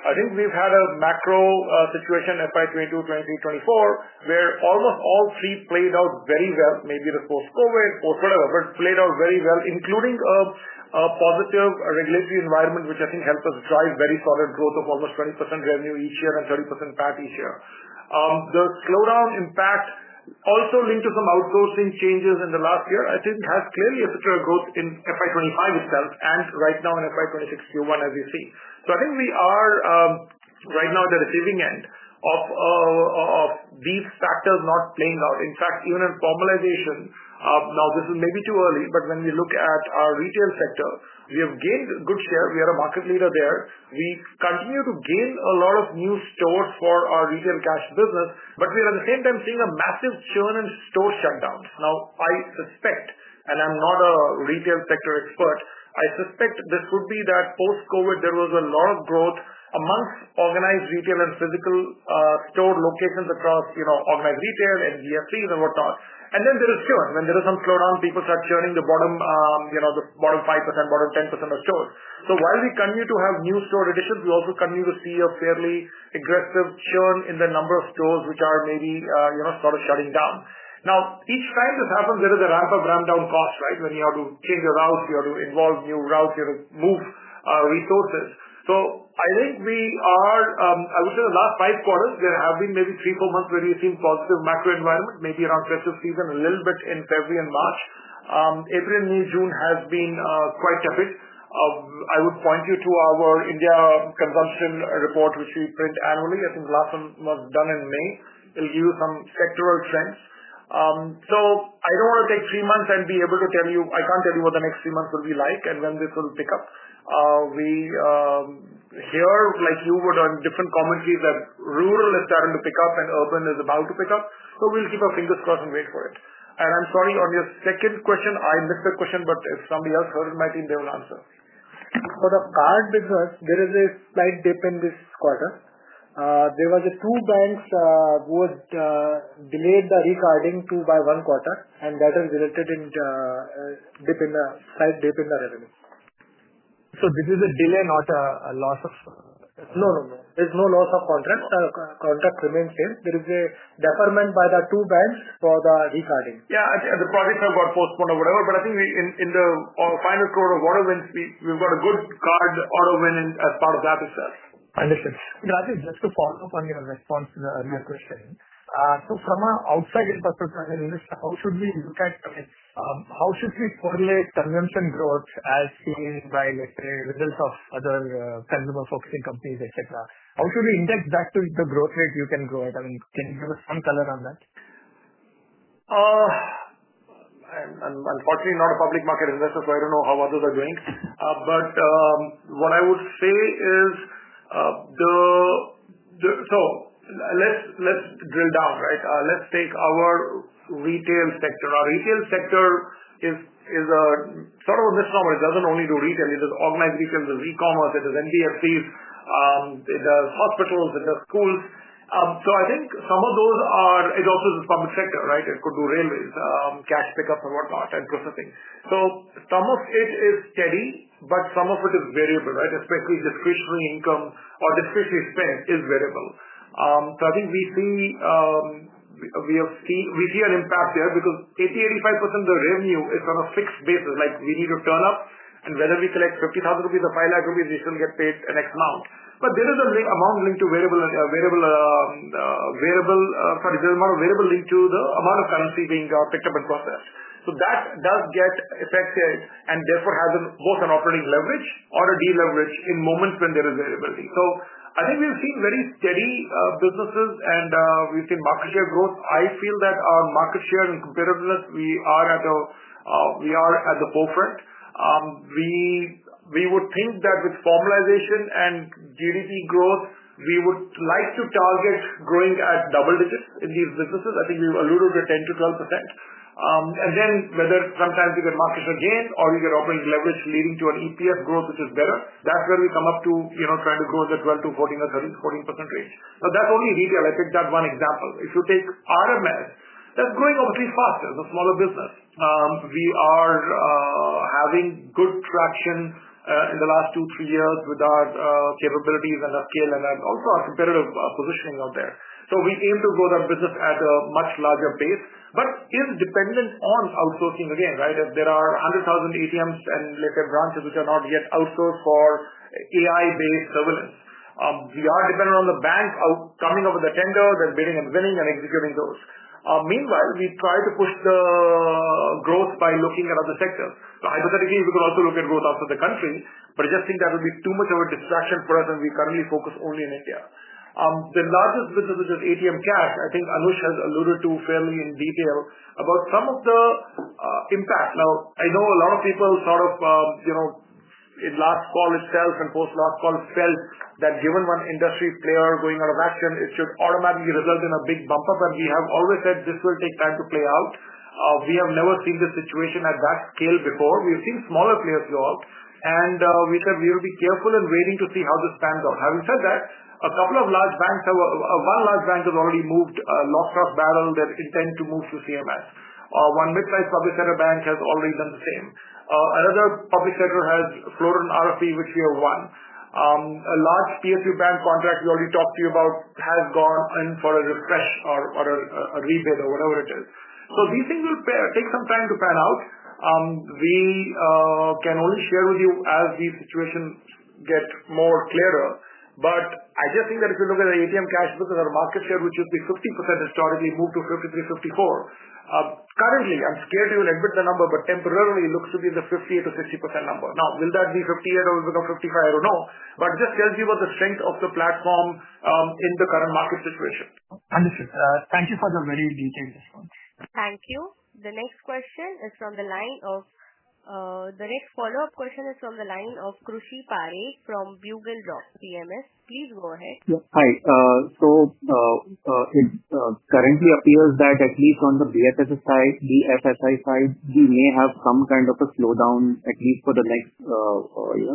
I think we've had a macro situation in FY 2022, 2023, 2024 where almost all three played out very well, maybe the post-COVID, post-whatever, but played out very well, including a positive regulatory environment, which I think helped us drive very solid growth of almost 20% revenue each year and 30% PAT each year. The slowdown impact also linked to some outsourcing changes in the last year, I think, has clearly affected our growth in FY 2025 itself and right now in FY 2026 Q1, as you see. I think we are right now at the receiving end of these factors not playing out. In fact, even in formalization, now this is maybe too early, but when we look at our retail sector, we have gained good share. We are a market leader there. We continue to gain a lot of new stores for our retail cash business. We are at the same time seeing a massive churn and store shutdowns. I suspect, and I'm not a retail sector expert, I suspect this could be that post-COVID, there was a lot of growth amongst organized retail and physical store locations across, you know, organized retail and GSTs and whatnot. There is churn. When there is some slowdown, people start churning the bottom, you know, the bottom 5%, bottom 10% of stores. While we continue to have new store additions, we also continue to see a fairly aggressive churn in the number of stores which are maybe, you know, sort of shutting down. Each time this happens, there is a ramp-up, ramp-down cost, right? When you have to change your routes, you have to involve new routes, you have to move resources. I think we are, I would say in the last five quarters, there have been maybe three, four months where we've seen a positive macro environment, maybe around festive season, a little bit in February and March. April, May, June has been quite tepid. I would point you to our India consumption report, which we print annually. I think the last one was done in May. It'll give you some sectoral trends. I don't want to take three months and be able to tell you, I can't tell you what the next three months will be like and when this will pick up. We hear, like you would, on different commentaries that rural is starting to pick up and urban is about to pick up. We'll keep our fingers crossed and wait for it. I'm sorry, on your second question, I missed that question, but if somebody else heard my team, they will answer. For the card business, there is a slight dip in this quarter. There were the two banks who delayed the recarding by one quarter, and that resulted in a slight dip in the revenue. This is a delay, not a loss of. No, no, no. There's no loss of contract. The contract remains the same. There is a deferment by the two banks for the recarding. I think the deposits have got postponed or whatever, but I think in the final quarter of order wins, we've got a good card order win as part of that as well. Understood. I think just to follow up on your response in the earlier question, from an outside perspective, as an investor, how should we look at, I mean, how should we correlate consumption growth as we buy, let's say, results of other consumer-focusing companies, etc.? How should we index that to the growth rate you can grow it? Can you give us some color on that? I'm unfortunately not a public market investor, so I don't know how others are doing. What I would say is, let's drill down, right? Let's take our retail sector. Our retail sector is sort of a misnomer. It doesn't only do retail. It does organized retail, e-commerce, NBFC, hospitals, and schools. I think some of those are, it also is a public sector, right? It could do railways, cash pickup, and whatnot, and processing. Some of it is steady, but some of it is variable, right? Especially the free-flowing income or the free-flowing spend is variable. I think we have seen an impact there because 80%-85% of the revenue is on a fixed basis. Like we need to turn up, and whether we collect 50,000 rupees or 500,000 rupees, we should get paid an X amount. There is an amount linked to variable, sorry, there's a lot of variable linked to the amount of currency being picked up and processed. That does get affected and therefore has both an operating leverage or a deleverage in moments when there is variability. I think we've seen very steady businesses, and we've seen market share growth. I feel that on market share and comparability, we are at the forefront. We would think that with formalization and GDP growth, we would like to target growing at double digits in these businesses. I think we've alluded to 10%-12%. Whether some time you get markets again or you get operating leverage leading to an EPS growth, which is better, that's where we come up to trying to go in the 12%-14% or 13% range. That's only retail. I think that's one example. If you take RMS, that's growing obviously faster. It's a smaller business. We are having good traction in the last two, three years with our capabilities and our scale and also our competitive positioning out there. We aim to grow that business at a much larger pace. In dependent forms, outsourcing again, right? If there are 100,000 ATMs and, let's say, branches which are not yet outsourced for AI-based services, we are dependent on the bank coming up with the tender, then bidding and winning and executing those. Meanwhile, we try to push the growth by looking at other sectors. Hypothetically, we could also look at growth outside the country, but I just think that would be too much of a distraction for us, and we currently focus only on India. The largest business, which is ATM Cash, I think Anush has alluded to fairly in detail about some of the impact. I know a lot of people, in last call itself and post-last call, felt that given one industry player going out of action, it should automatically result in a big bump up. We have always said this will take time to play out. We have never seen this situation at that scale before. We've seen smaller players grow up, and we said we will be careful and waiting to see how this pans out. Having said that, a couple of large banks have, one large bank has already moved a locked truck barrel. They're intending to move to CMS. One mid-sized public sector bank has already done the same. Another public sector has floated an ROC, which we have won. A large PSU Bank contract we already talked to you about has gone in for a refresh or a rebid or whatever it is. These things will take some time to pan out. We can only share with you as the situation gets more clearer. I just think that if you look at the ATM Cash business, our market share, which would be 50% historically, moved to 53, 54. Currently, I'm scared to even admit the number, but temporarily it looks to be in the 58 to 60% number. Now, will that be 58 or will it become 55? I don't know. It just tells you about the strength of the platform in the current market situation. Understood. Thank you for the very details. Thank you. The next question is from the line of, the next follow-up question is from the line of Krushi Parekh from BugleRock PMS. Please go ahead. Yeah. Hi. It currently appears that at least on the BFSI side, we may have some kind of a slowdown, at least for the next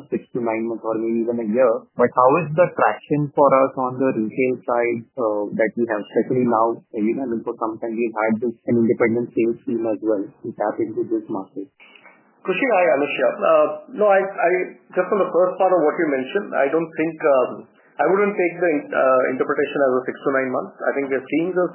six to nine months or maybe even a year. How is the traction for us on the retail side that we have settled in now? We can overcome it, and we've had an independent sales team as well to tap into this market. Hi, Anush. Yeah. No, just on the first part of what you mentioned, I don't think I would take the interpretation as a six to nine months. I think we're seeing this.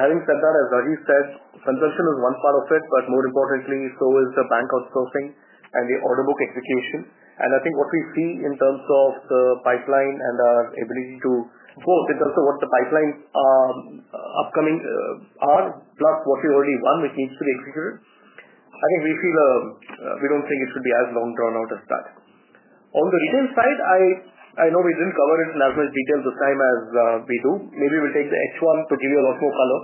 Having said that, as Rajiv said, consumption is one part of it, but more importantly, so is the bank outsourcing and the order book execution. I think what we see in terms of the pipeline and our ability to grow in terms of what the pipelines are upcoming, plus what we already won, which needs to be executed, I think we see that we don't think it should be as long drawn out as that. On the retail side, I know we didn't cover it in as much detail this time as we do. Maybe we'll take the H1 to give you a lot more color.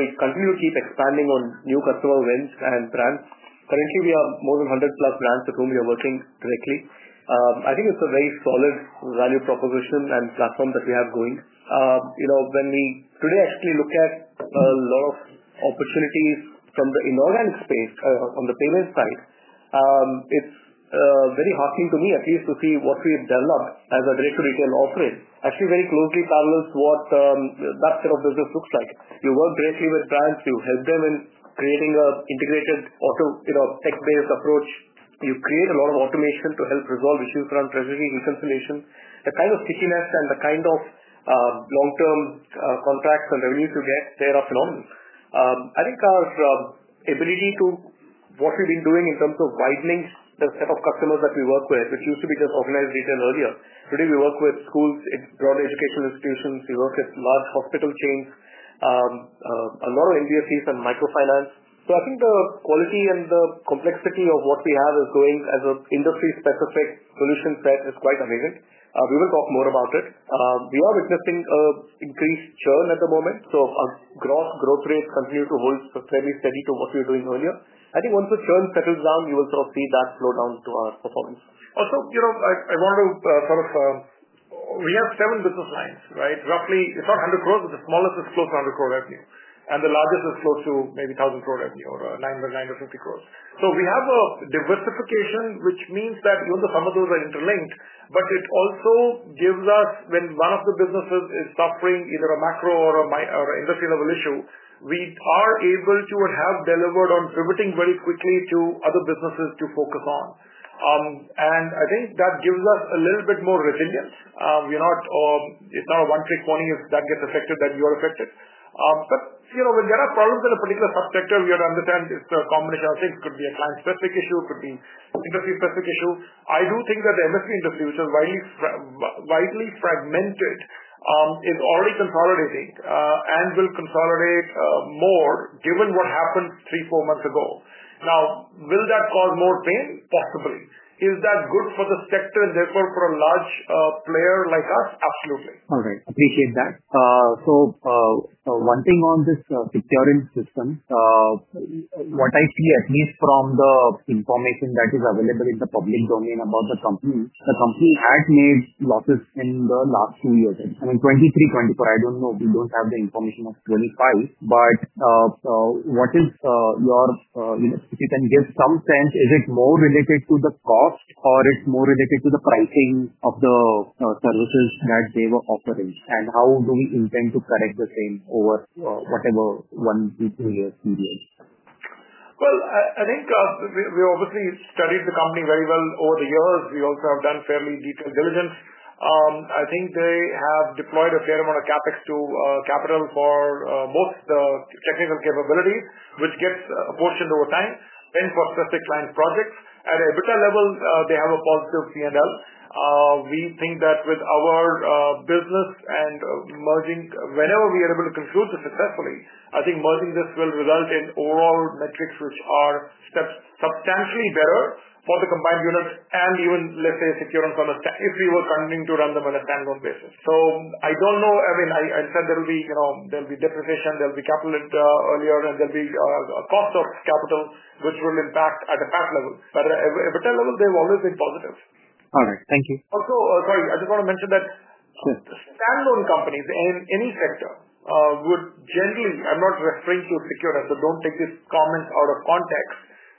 We continue to keep expanding on new customer wins and brands. Currently, we have more than 100 brands with whom we are working directly. I think it's a very solid value proposition and platform that we have going. When we today actually look at a lot of opportunities from the inorganic space on the payment side, it's very heartening to me, at least to see what we've done as a direct-to-retail operator. Actually, very closely balanced what that set of business looks like. You work directly with brands. You help them in creating an integrated tech-based approach. You create a lot of automation to help resolve issues around treasury reconciliation. The kind of stickiness and the kind of long-term contracts and revenue to get there are phenomenal. I think our ability to, what we've been doing in terms of widening the set of customers that we work with, which used to be just organized retail earlier, today we work with schools, broader educational institutions, large hospital chains, a lot of LIVEs and microfinance. I think the quality and the complexity of what we have going as an industry-specific solution set is quite amazing. We will talk more about it. We are witnessing an increased churn at the moment. Our growth rates continue to hold fairly steady to what we were doing earlier. Once the churn settles down, you will sort of see that slowdown to our performance. Also, I wanted to sort of, we have seven business lines, right? Roughly, it's not 100 crore, but the smallest is close to 100 crore revenue. The largest is close to maybe 1,000 crore revenue or 950 crore. We have a diversification, which means that even though some of those are interlinked, it also gives us, when one of the businesses is suffering either a macro or an industry-level issue, the ability to deliver on pivoting very quickly to other businesses to focus on. I think that gives us a little bit more resilience. We're not, it's not a one-trick pony. If that gets affected, then you are affected. You know, when there are problems in a particular subsector, we have to understand it's a combination of things. It could be a client-specific issue. It could be an industry-specific issue. I do think that the MSP industry, which is widely fragmented, is already consolidating and will consolidate more given what happened three or four months ago. Will that cause more pain? Possibly. Is that good for the sector and therefore for a large player like us? Absolutely. All right. Appreciate that. One thing on this Securens Systems, what I see, at least from the information that is available in the public domain about the company, the company has made losses in the last two years. I mean, 2023, 2024, I don't know if you don't have the information of 2025, but what is your, if you can give some sense, is it more related to the cost or it's more related to the pricing of the services that they were offering? How do we intend to correct the same over whatever one to two years period? I think we obviously studied the company very well over the years. We also have done fairly detailed diligence. I think they have deployed a fair amount of CapEx to capital for most of the technical capabilities, which gets apportioned over time, and for specific client projects. At a retail level, they have a positive P&L. We think that with our business and merging, whenever we are able to conclude this successfully, merging this will result in overall metrics which are substantially better for the combined unit and even, let's say, Securens on the side if we were continuing to run them on a standalone basis. I don't know. I mean, I said there will be depreciation, there'll be capital earlier, and there'll be a cost of capital which will impact at the bank level. At a retail level, they've always been positive. All right, thank you. Also, sorry, I just want to mention that the standalone companies in any sector would generally, I'm not referring to Securens, so don't take this comment out of context.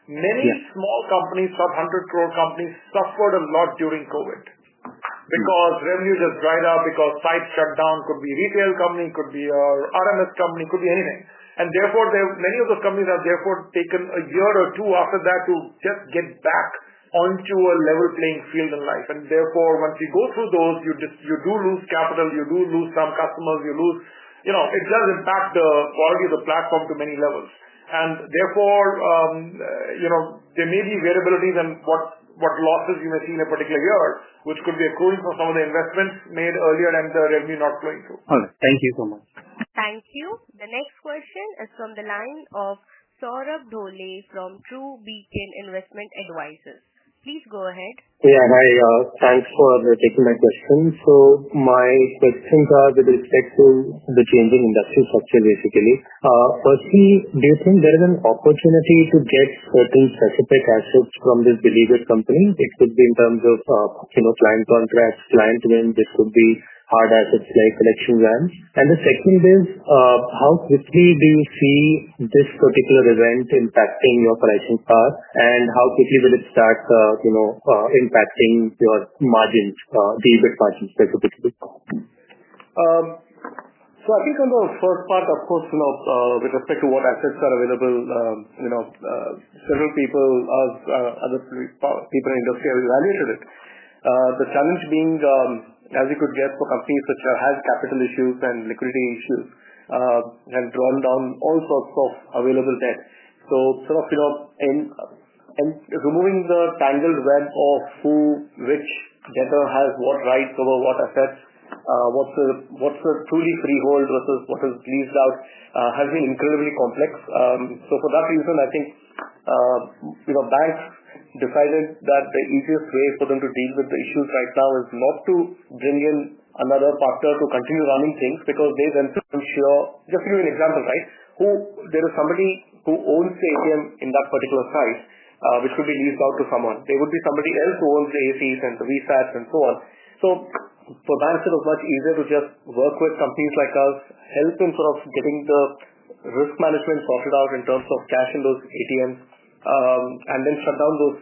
Many small companies, sub-INR 100 crore companies, suffered a lot during COVID because revenue just dried up, because sites shut down. It could be a retail company, it could be an RMS company, it could be anything. Therefore, many of those companies have taken a year or two after that to just get back onto a level playing field in life. Once you go through those, you do lose capital, you do lose some customers, you lose, you know, it does impact the quality of the platform to many levels. Therefore, you know, there may be variabilities in what losses you may see in a particular year, which could be accruing from some of the investments made earlier and the revenue not flowing through. All right. Thank you so much. Thank you. The next question is from the line of Saurabh Dhole from True Beacon Investment Advisors. Please go ahead. Yeah, hi. Thanks for taking my question. My questions are with respect to the changing industry structure, basically. Firstly, do you think there is an opportunity to get certain specific assets from these delivered companies? It could be in terms of, you know, client contracts, client events. It could be hard assets like collection vans. The second is, how quickly do you see this particular event impacting your pricing path? How quickly will it start, you know, impacting your margins, the EBIT margins for a particular company? I think on the first part, of course, with respect to what assets are available, certain people, as other people in the industry have evaluated it. The challenge being, as you could guess, for companies which have capital issues and liquidity issues, they have drawn down all sorts of available debt. Removing the tangled web of who, which debtor has what rights over what assets, what's the truly pre-hauled versus what is leased out, has been incredibly complex. For that reason, I think banks decided that the easiest way for them to deal with the issues right now is not to generate another partner to continue running things because they then could ensure, just to give you an example, right? There is somebody who owns the ATM in that particular site, which will be leased out to someone. There would be somebody else who owns the ACs and the VSATs and so on. For banks, it was much easier to just work with companies like us, help in getting the risk management profit out in terms of cash in those ATMs, and then shut down those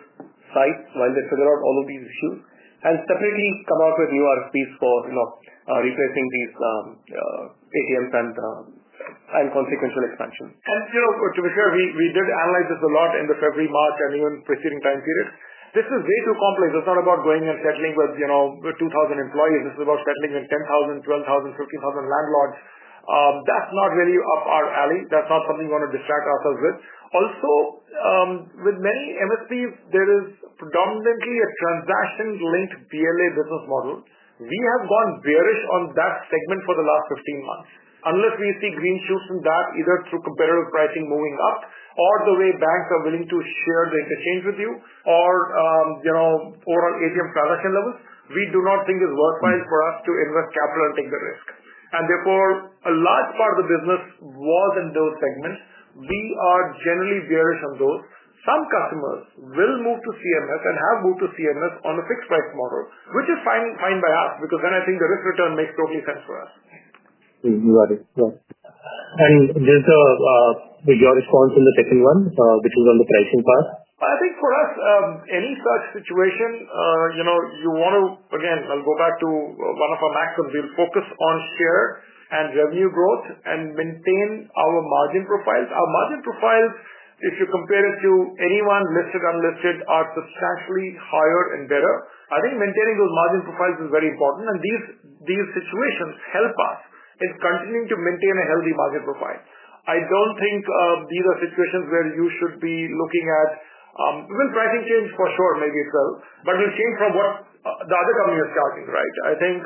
sites while they figure out all of these issues, and separately come out with new RFPs for replacing these ATMs and consequential expansion. To be fair, we did analyze this a lot in the February, March, and even preceding time periods. This is way too complex. It's not about going and settling with 2,000 employees. This is about settling with 10,000, 12,000, 15,000 landlords. That's not really up our alley. That's not something we want to distract ourselves with. Also, with many MSPs, there is predominantly a transaction-linked BLA business model. We have gone bearish on that segment for the last 15 months. Unless we see green shoots in that, either through competitive pricing moving up or the way banks are willing to share the interchange with you or overall ATM transaction levels, we do not think it's worthwhile for us to invest capital and take the risk. Therefore, a large part of the business was in those segments. We are generally bearish on those. Some customers will move to CMS and have moved to CMS on a fixed price model, which is fine by us because then I think the risk return makes total sense for us. You got it. There is a majority response in the second one, which is on the pricing path. I think for us, any such situation, you want to, again, I'll go back to one of our maxims. We'll focus on share and revenue growth and maintain our margin profiles. Our margin profiles, if you compare it to anyone listed or unlisted, are substantially higher and better. I think maintaining those margin profiles is very important. These situations help us in continuing to maintain a healthy margin profile. I don't think these are situations where you should be looking at, even pricing change for sure may be slow, but we've seen from what the other company is charging, right? I think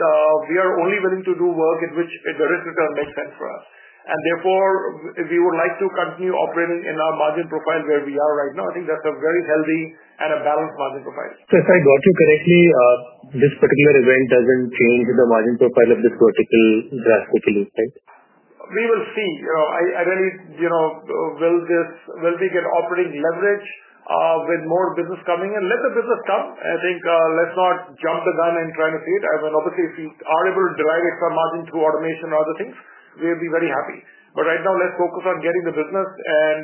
we are only willing to do work in which the risk return makes sense for us. Therefore, we would like to continue operating in our margin profile where we are right now. I think that's a very healthy and a balanced margin profile. If I got you correctly, this particular event doesn't change the margin profile of this vertical drastically? We will see. I really, you know, will this, will we get operating leverage with more business coming in? Let the business come. I think let's not jump the gun and try to see it. Obviously, if we are able to derive extra margin through automation or other things, we'll be very happy. Right now, let's focus on getting the business and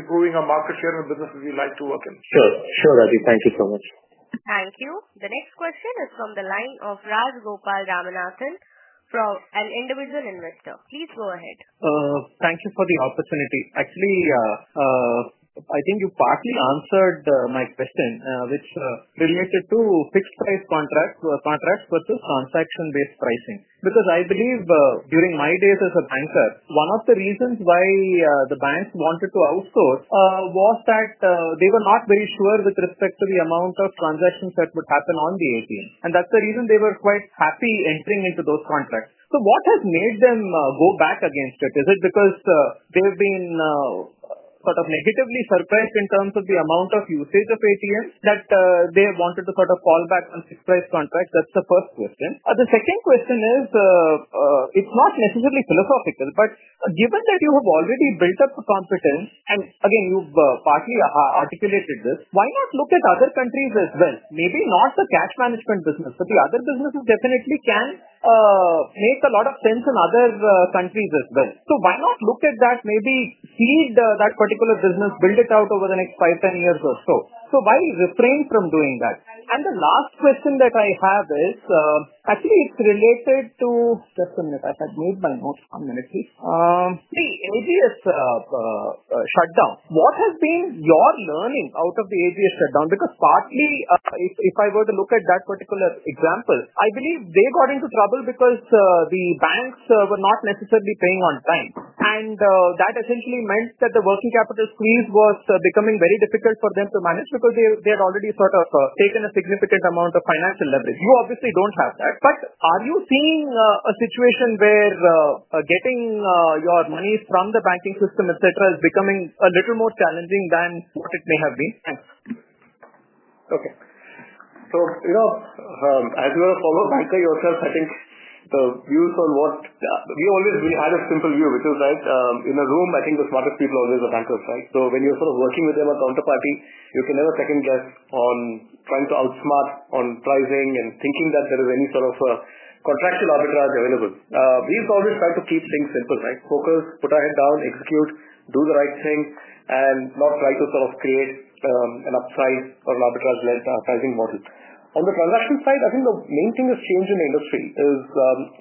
improving our market share and the businesses we like to work in. Sure. Sure, Rajiv. Thank you so much. Thank you. The next question is from the line of Rajagopal Ramanathan from an Individual Investor. Please go ahead. Thank you for the opportunity. Actually, I think you partly answered my question, which related to fixed price contracts versus transaction-based pricing. I believe during my days as a banker, one of the reasons why the banks wanted to outsource was that they were not very sure with respect to the amount of transactions that would happen on the ATM. That's the reason they were quite happy entering into those contracts. What has made them go back against it? Is it because they've been sort of negatively surprised in terms of the amount of usage of ATMs that they wanted to sort of fall back on fixed price contracts? That's the first question. The second question is, it's not necessarily philosophical, but given that you have already built up a competence, and again, you've partly articulated this, why not look at other countries as well? Maybe not the cash management business, but the other businesses definitely can make a lot of sense in other countries as well. Why not look at that, maybe seed that particular business, build it out over the next five, 10 years or so? Why refrain from doing that? The last question that I have is, actually, it's related to just a minute. I've had made my notes. One minute, please. The AGS shutdown. What has been your learning out of the AGS shutdown? If I were to look at that particular example, I believe they got into trouble because the banks were not necessarily paying on time. That essentially meant that the working capital squeeze was becoming very difficult for them to manage because they had already sort of taken a significant amount of financial leverage. You obviously don't have that. Are you seeing a situation where getting your monies from the banking system, etc., is becoming a little more challenging than it may have been? Okay. As you're a former banker yourself, I think the views on what we always had a simple view, which is, right, in a room, I think the smartest people always are bankers, right? When you're sort of working with them or counterparting, you can never second guess on trying to outsmart on pricing and thinking that there is any sort of contractual arbitrage available. We always try to keep things simple, right? Focus, put our head down, execute, do the right thing, and not try to sort of create an upsize or an arbitrage-led pricing model. On the transaction side, I think the main thing that's changed in the industry is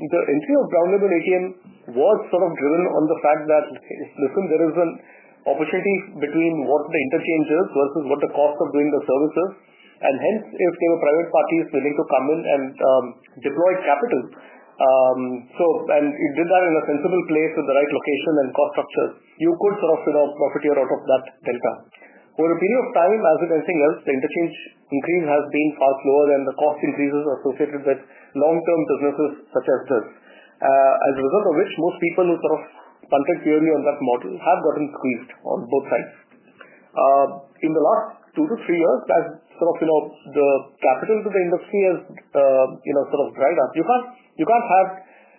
the entry of Brown Label ATM was sort of driven on the fact that it's missing there is an opportunity between what the interchange is versus what the cost of doing the services. Hence, it became a private party's ability to come in and deploy capital. It did that in a sensible place with the right location and cost structure. You could sort of profit here out of that tender. Over a period of time, as with anything else, the interchange increase has been far slower than the cost increases associated with long-term businesses such as this, as a result of which most people who sort of context-hearing on that model have got increased on both sides. In the last two to three years, as the capital to the industry has dried up, you can't have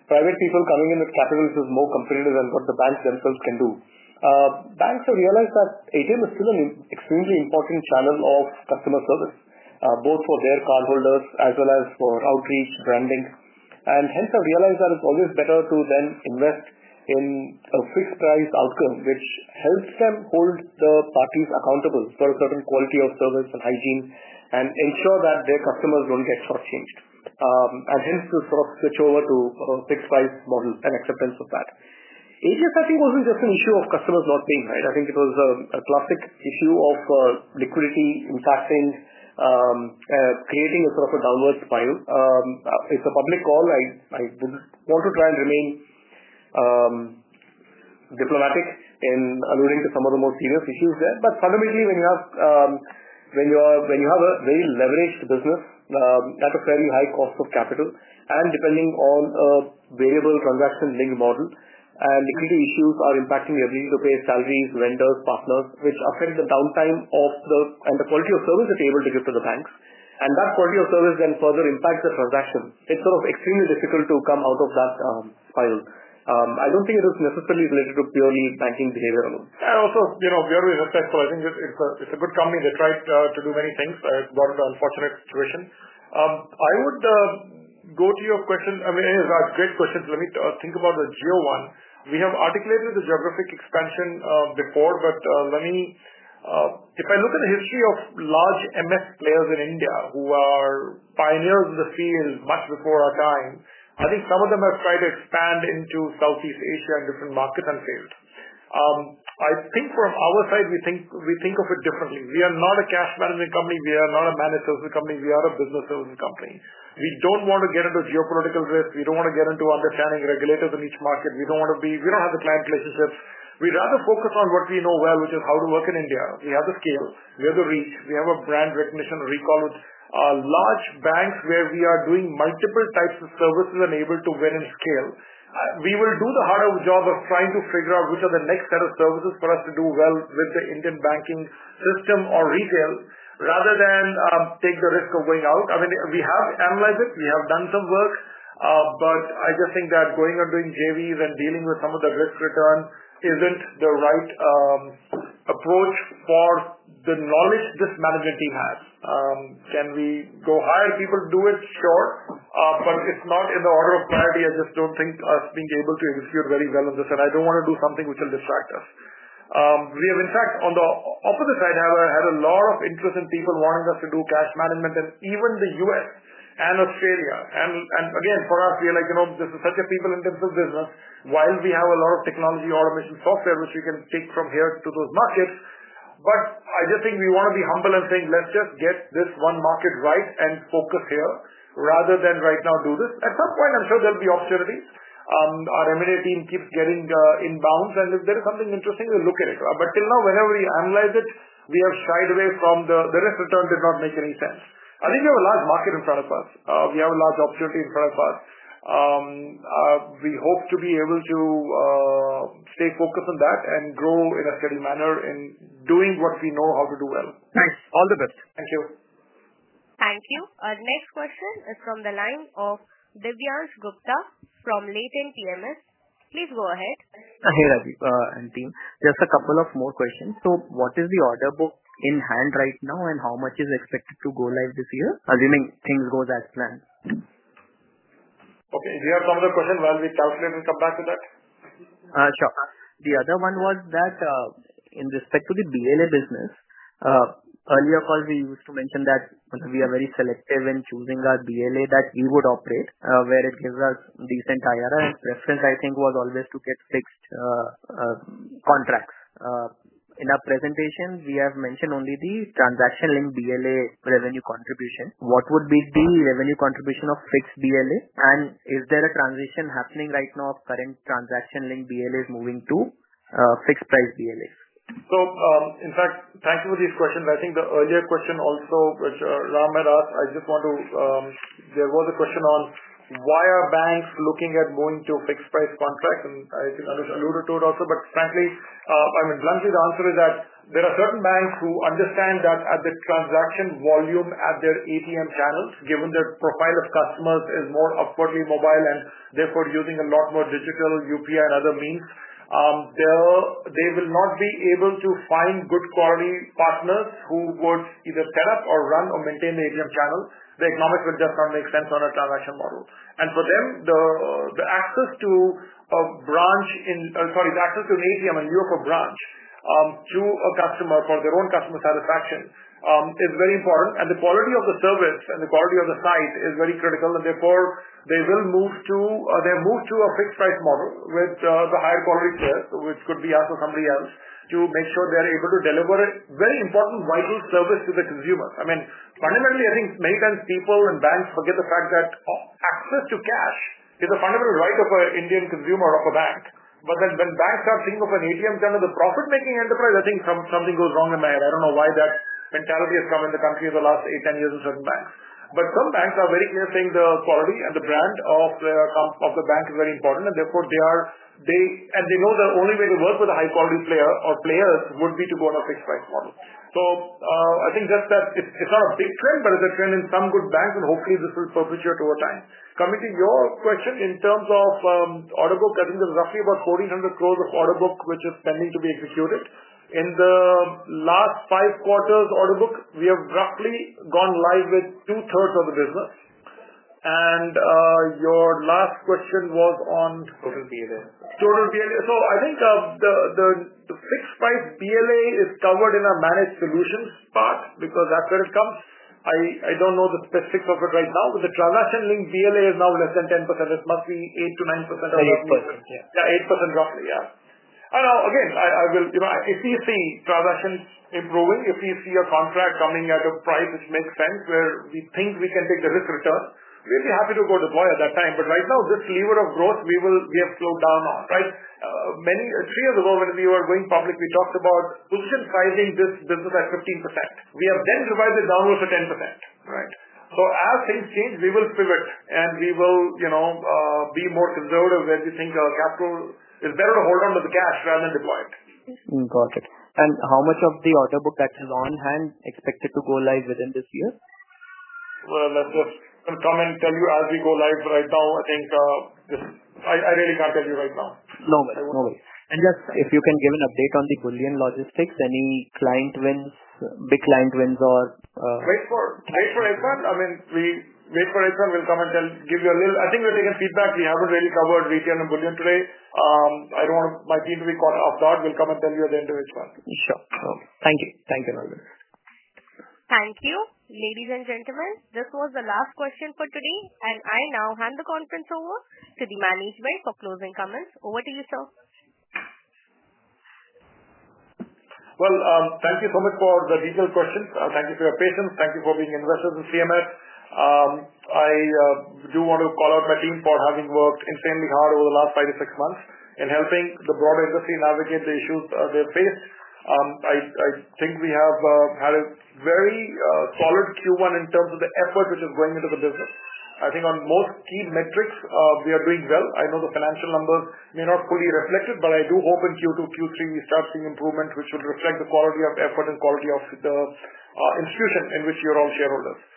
private people coming in with capital which is more competitive than what the banks themselves can do. Banks have realized that ATM is still an extremely important channel of customer service, both for their cardholders as well as for outreach, branding. They've realized that it's always better to then invest in a fixed price outcome, which helps them hold the parties accountable for a certain quality of service and hygiene and ensure that their customers don't get shortchanged. Hence, to sort of switch over to a fixed price model and acceptance of that. ATMs, I think, wasn't just an issue of customers not paying, right? I think it was a classic issue of liquidity impacting, creating a sort of a downward spiral. It's a public call. I don't want to try and remain diplomatic in alluding to some of the more serious issues there. Fundamentally, when you have a very leveraged business at a very high cost of capital and depending on a variable transaction-linked model and liquidity issues are impacting revenue to pay salaries, vendors, partners, which affect the downtime and the quality of service that you're able to give to the banks, that quality of service then further impacts the transaction. It's extremely difficult to come out of that spiral. I don't think it is necessarily related to purely banking behavior alone. Also, we are a must-achieve. I think it's a good company that tried to do many things, but it got into an unfortunate situation. I would go to your question. It's a great question. Let me think about the geo one. We have articulated the geographic expansion before. If I look at the history of large managed services players in India who are pioneers in the field much before our time, I think some of them have tried to expand into Southeast Asia and different markets and fields. From our side, we think of it differently. We are not a cash management company. We are not a managed services company. We are a business services company. We don't want to get into geopolitical risks. We don't want to get into understanding regulators in each market. We don't have the client relationships. We'd rather focus on what we know well, which is how to work in India. We have the scale. We have the reach. We have brand recognition, recall with large banks where we are doing multiple types of services and able to vary in scale. We will do the harder job of trying to figure out which are the next set of services for us to do well with the Indian banking system or retail rather than take the risk of going out. We have analyzed it. We have done some work. I just think that going out doing JVs and dealing with some of the risk return isn't the right approach for the knowledge this management team has. Can we go hire people to do it? Sure. It's not in the order of priority. I just don't think us being able to execute very well on this. I don't want to do something which will distract us. In fact, on the opposite side, we have had a lot of interest in people wanting us to do cash management in even the U.S. and Australia. For us, this is such a people-intensive business. While we have a lot of technology automation software which we can take from here to those markets, I just think we want to be humble and think, let's just get this one market right and focus here rather than do this right now. At some point, I'm sure there'll be opportunities. Our M&A team keeps getting inbounds. If there is something interesting, we'll look at it. Till now, whenever we analyze it, we have shied away because the risk return did not make any sense. I think we have a large market in front of us. We have a large opportunity in front of us. We hope to be able to stay focused on that and grow in a steady manner in doing what we know how to do well. Thanks. All the best. Thank you. Thank you. Our next question is from the line of Divyansh Gupta from Latent PMS. Please go ahead. Hey, Rajiv and team, just a couple of more questions. What is the order book in hand right now, and how much is expected to go live this year, assuming things go as planned? Okay, do you have some of the questions while we calculate and come back to that? Sure. The other one was that in respect to the BLA business, earlier calls, we used to mention that we are very selective in choosing our BLA that we would operate, where it gives us decent IRR. Preference, I think, was always to get fixed contracts. In our presentation, we have mentioned only the transaction-linked BLA revenue contribution. What would be the revenue contribution of fixed BLA? Is there a transition happening right now of current transaction-linked BLAs moving to fixed price BLAs? Thank you for these questions. I think the earlier question also, which Rahm had asked, I just want to, there was a question on why are banks looking at going to fixed price contracts? I think Anush alluded to it also. Frankly, the answer is that there are certain banks who understand that at the transaction volume at their ATM channels, given their profile of customers is more upwardly mobile and therefore using a lot more digital UPI and other means, they will not be able to find good quality partners who would either set up or run or maintain the ATM channel. The economics would just not make sense on a transaction model. For them, the access to an ATM in Europe or a branch to a customer for their own customer satisfaction is very important. The quality of the service and the quality of the site is very critical. Therefore, they will move to a fixed price model with the higher quality service, which could be asked for somebody else to make sure they're able to deliver a very important, vital service to the consumer. Fundamentally, I think many times people and banks forget the fact that access to cash is a fundamental right of an Indian consumer or of a bank. When banks start thinking of an ATM channel as a profit-making enterprise, I think something goes wrong in my head. I don't know why that mentality has come into the country in the last eight, 10 years in certain banks. Some banks are very clear saying the quality and the brand of the bank is very important. Therefore, they are, and they know the only way to work with a high-quality player or players would be to go on a fixed price model. I think just that it's not a big trend, but it's a trend in some good banks. Hopefully, this will perpetuate over time. Coming to your question, in terms of order book, I think there's roughly about 1,400 crore of order book which is pending to be executed. In the last five quarters, order book, we have roughly gone live with two-thirds of the business. Your last question was on total BLA. Total BLA, so I think the fixed price BLA is covered in a managed solutions part because that's where it comes. I don't know the specifics of it right now, but the transaction-linked BLA is now less than 10%. It must be 8%-9% of what we need. 8%. Yeah, 8% roughly. If you see transaction improving, if you see a contract coming at a price which makes sense, where we think we can take the risk return, we'd be happy to go to boy at that time. Right now, this lever of growth, we have slowed down on, right? Many three years ago, when we were going public, we talked about pushing and sizing this business at 15%. We have then divided downwards to 10%. As things change, we will pivot and we will be more conservative where we think our capital is better to hold on to the cash rather than deploy it. Got it. How much of the order book that is on hand is expected to go live within this year? That's what I'm coming to tell you. As we go live right now, I think I really can't tell you right now. No worries. No worries. If you can give an update on the bullion logistics, any client wins, big client wins, or. Wait for Isaac. We'll come and tell, give you a little, I think we're taking feedback. We haven't really covered retail and bullion today. I don't want my team to be caught off guard. We'll come and tell you at the end of this question. Sure. Thank you. Thank you, Rajiv. Thank you. Ladies and gentlemen, this was the last question for today. I now hand the conference over to the management for closing comments. Over to you, sir. Thank you so much for the detailed questions. I thank you for your patience. Thank you for being investors in CMS. I do want to call out my team for having worked insanely hard over the last five to six months in helping the broader industry navigate the issues they have faced. I think we have had a very solid Q1 in terms of the effort which is going into the business. I think on most key metrics, we are doing well. I know the financial numbers may not fully reflect it, but I do hope in Q2, Q3, we start seeing improvements, which would reflect the quality of effort and quality of the institution in which you're all shareholders.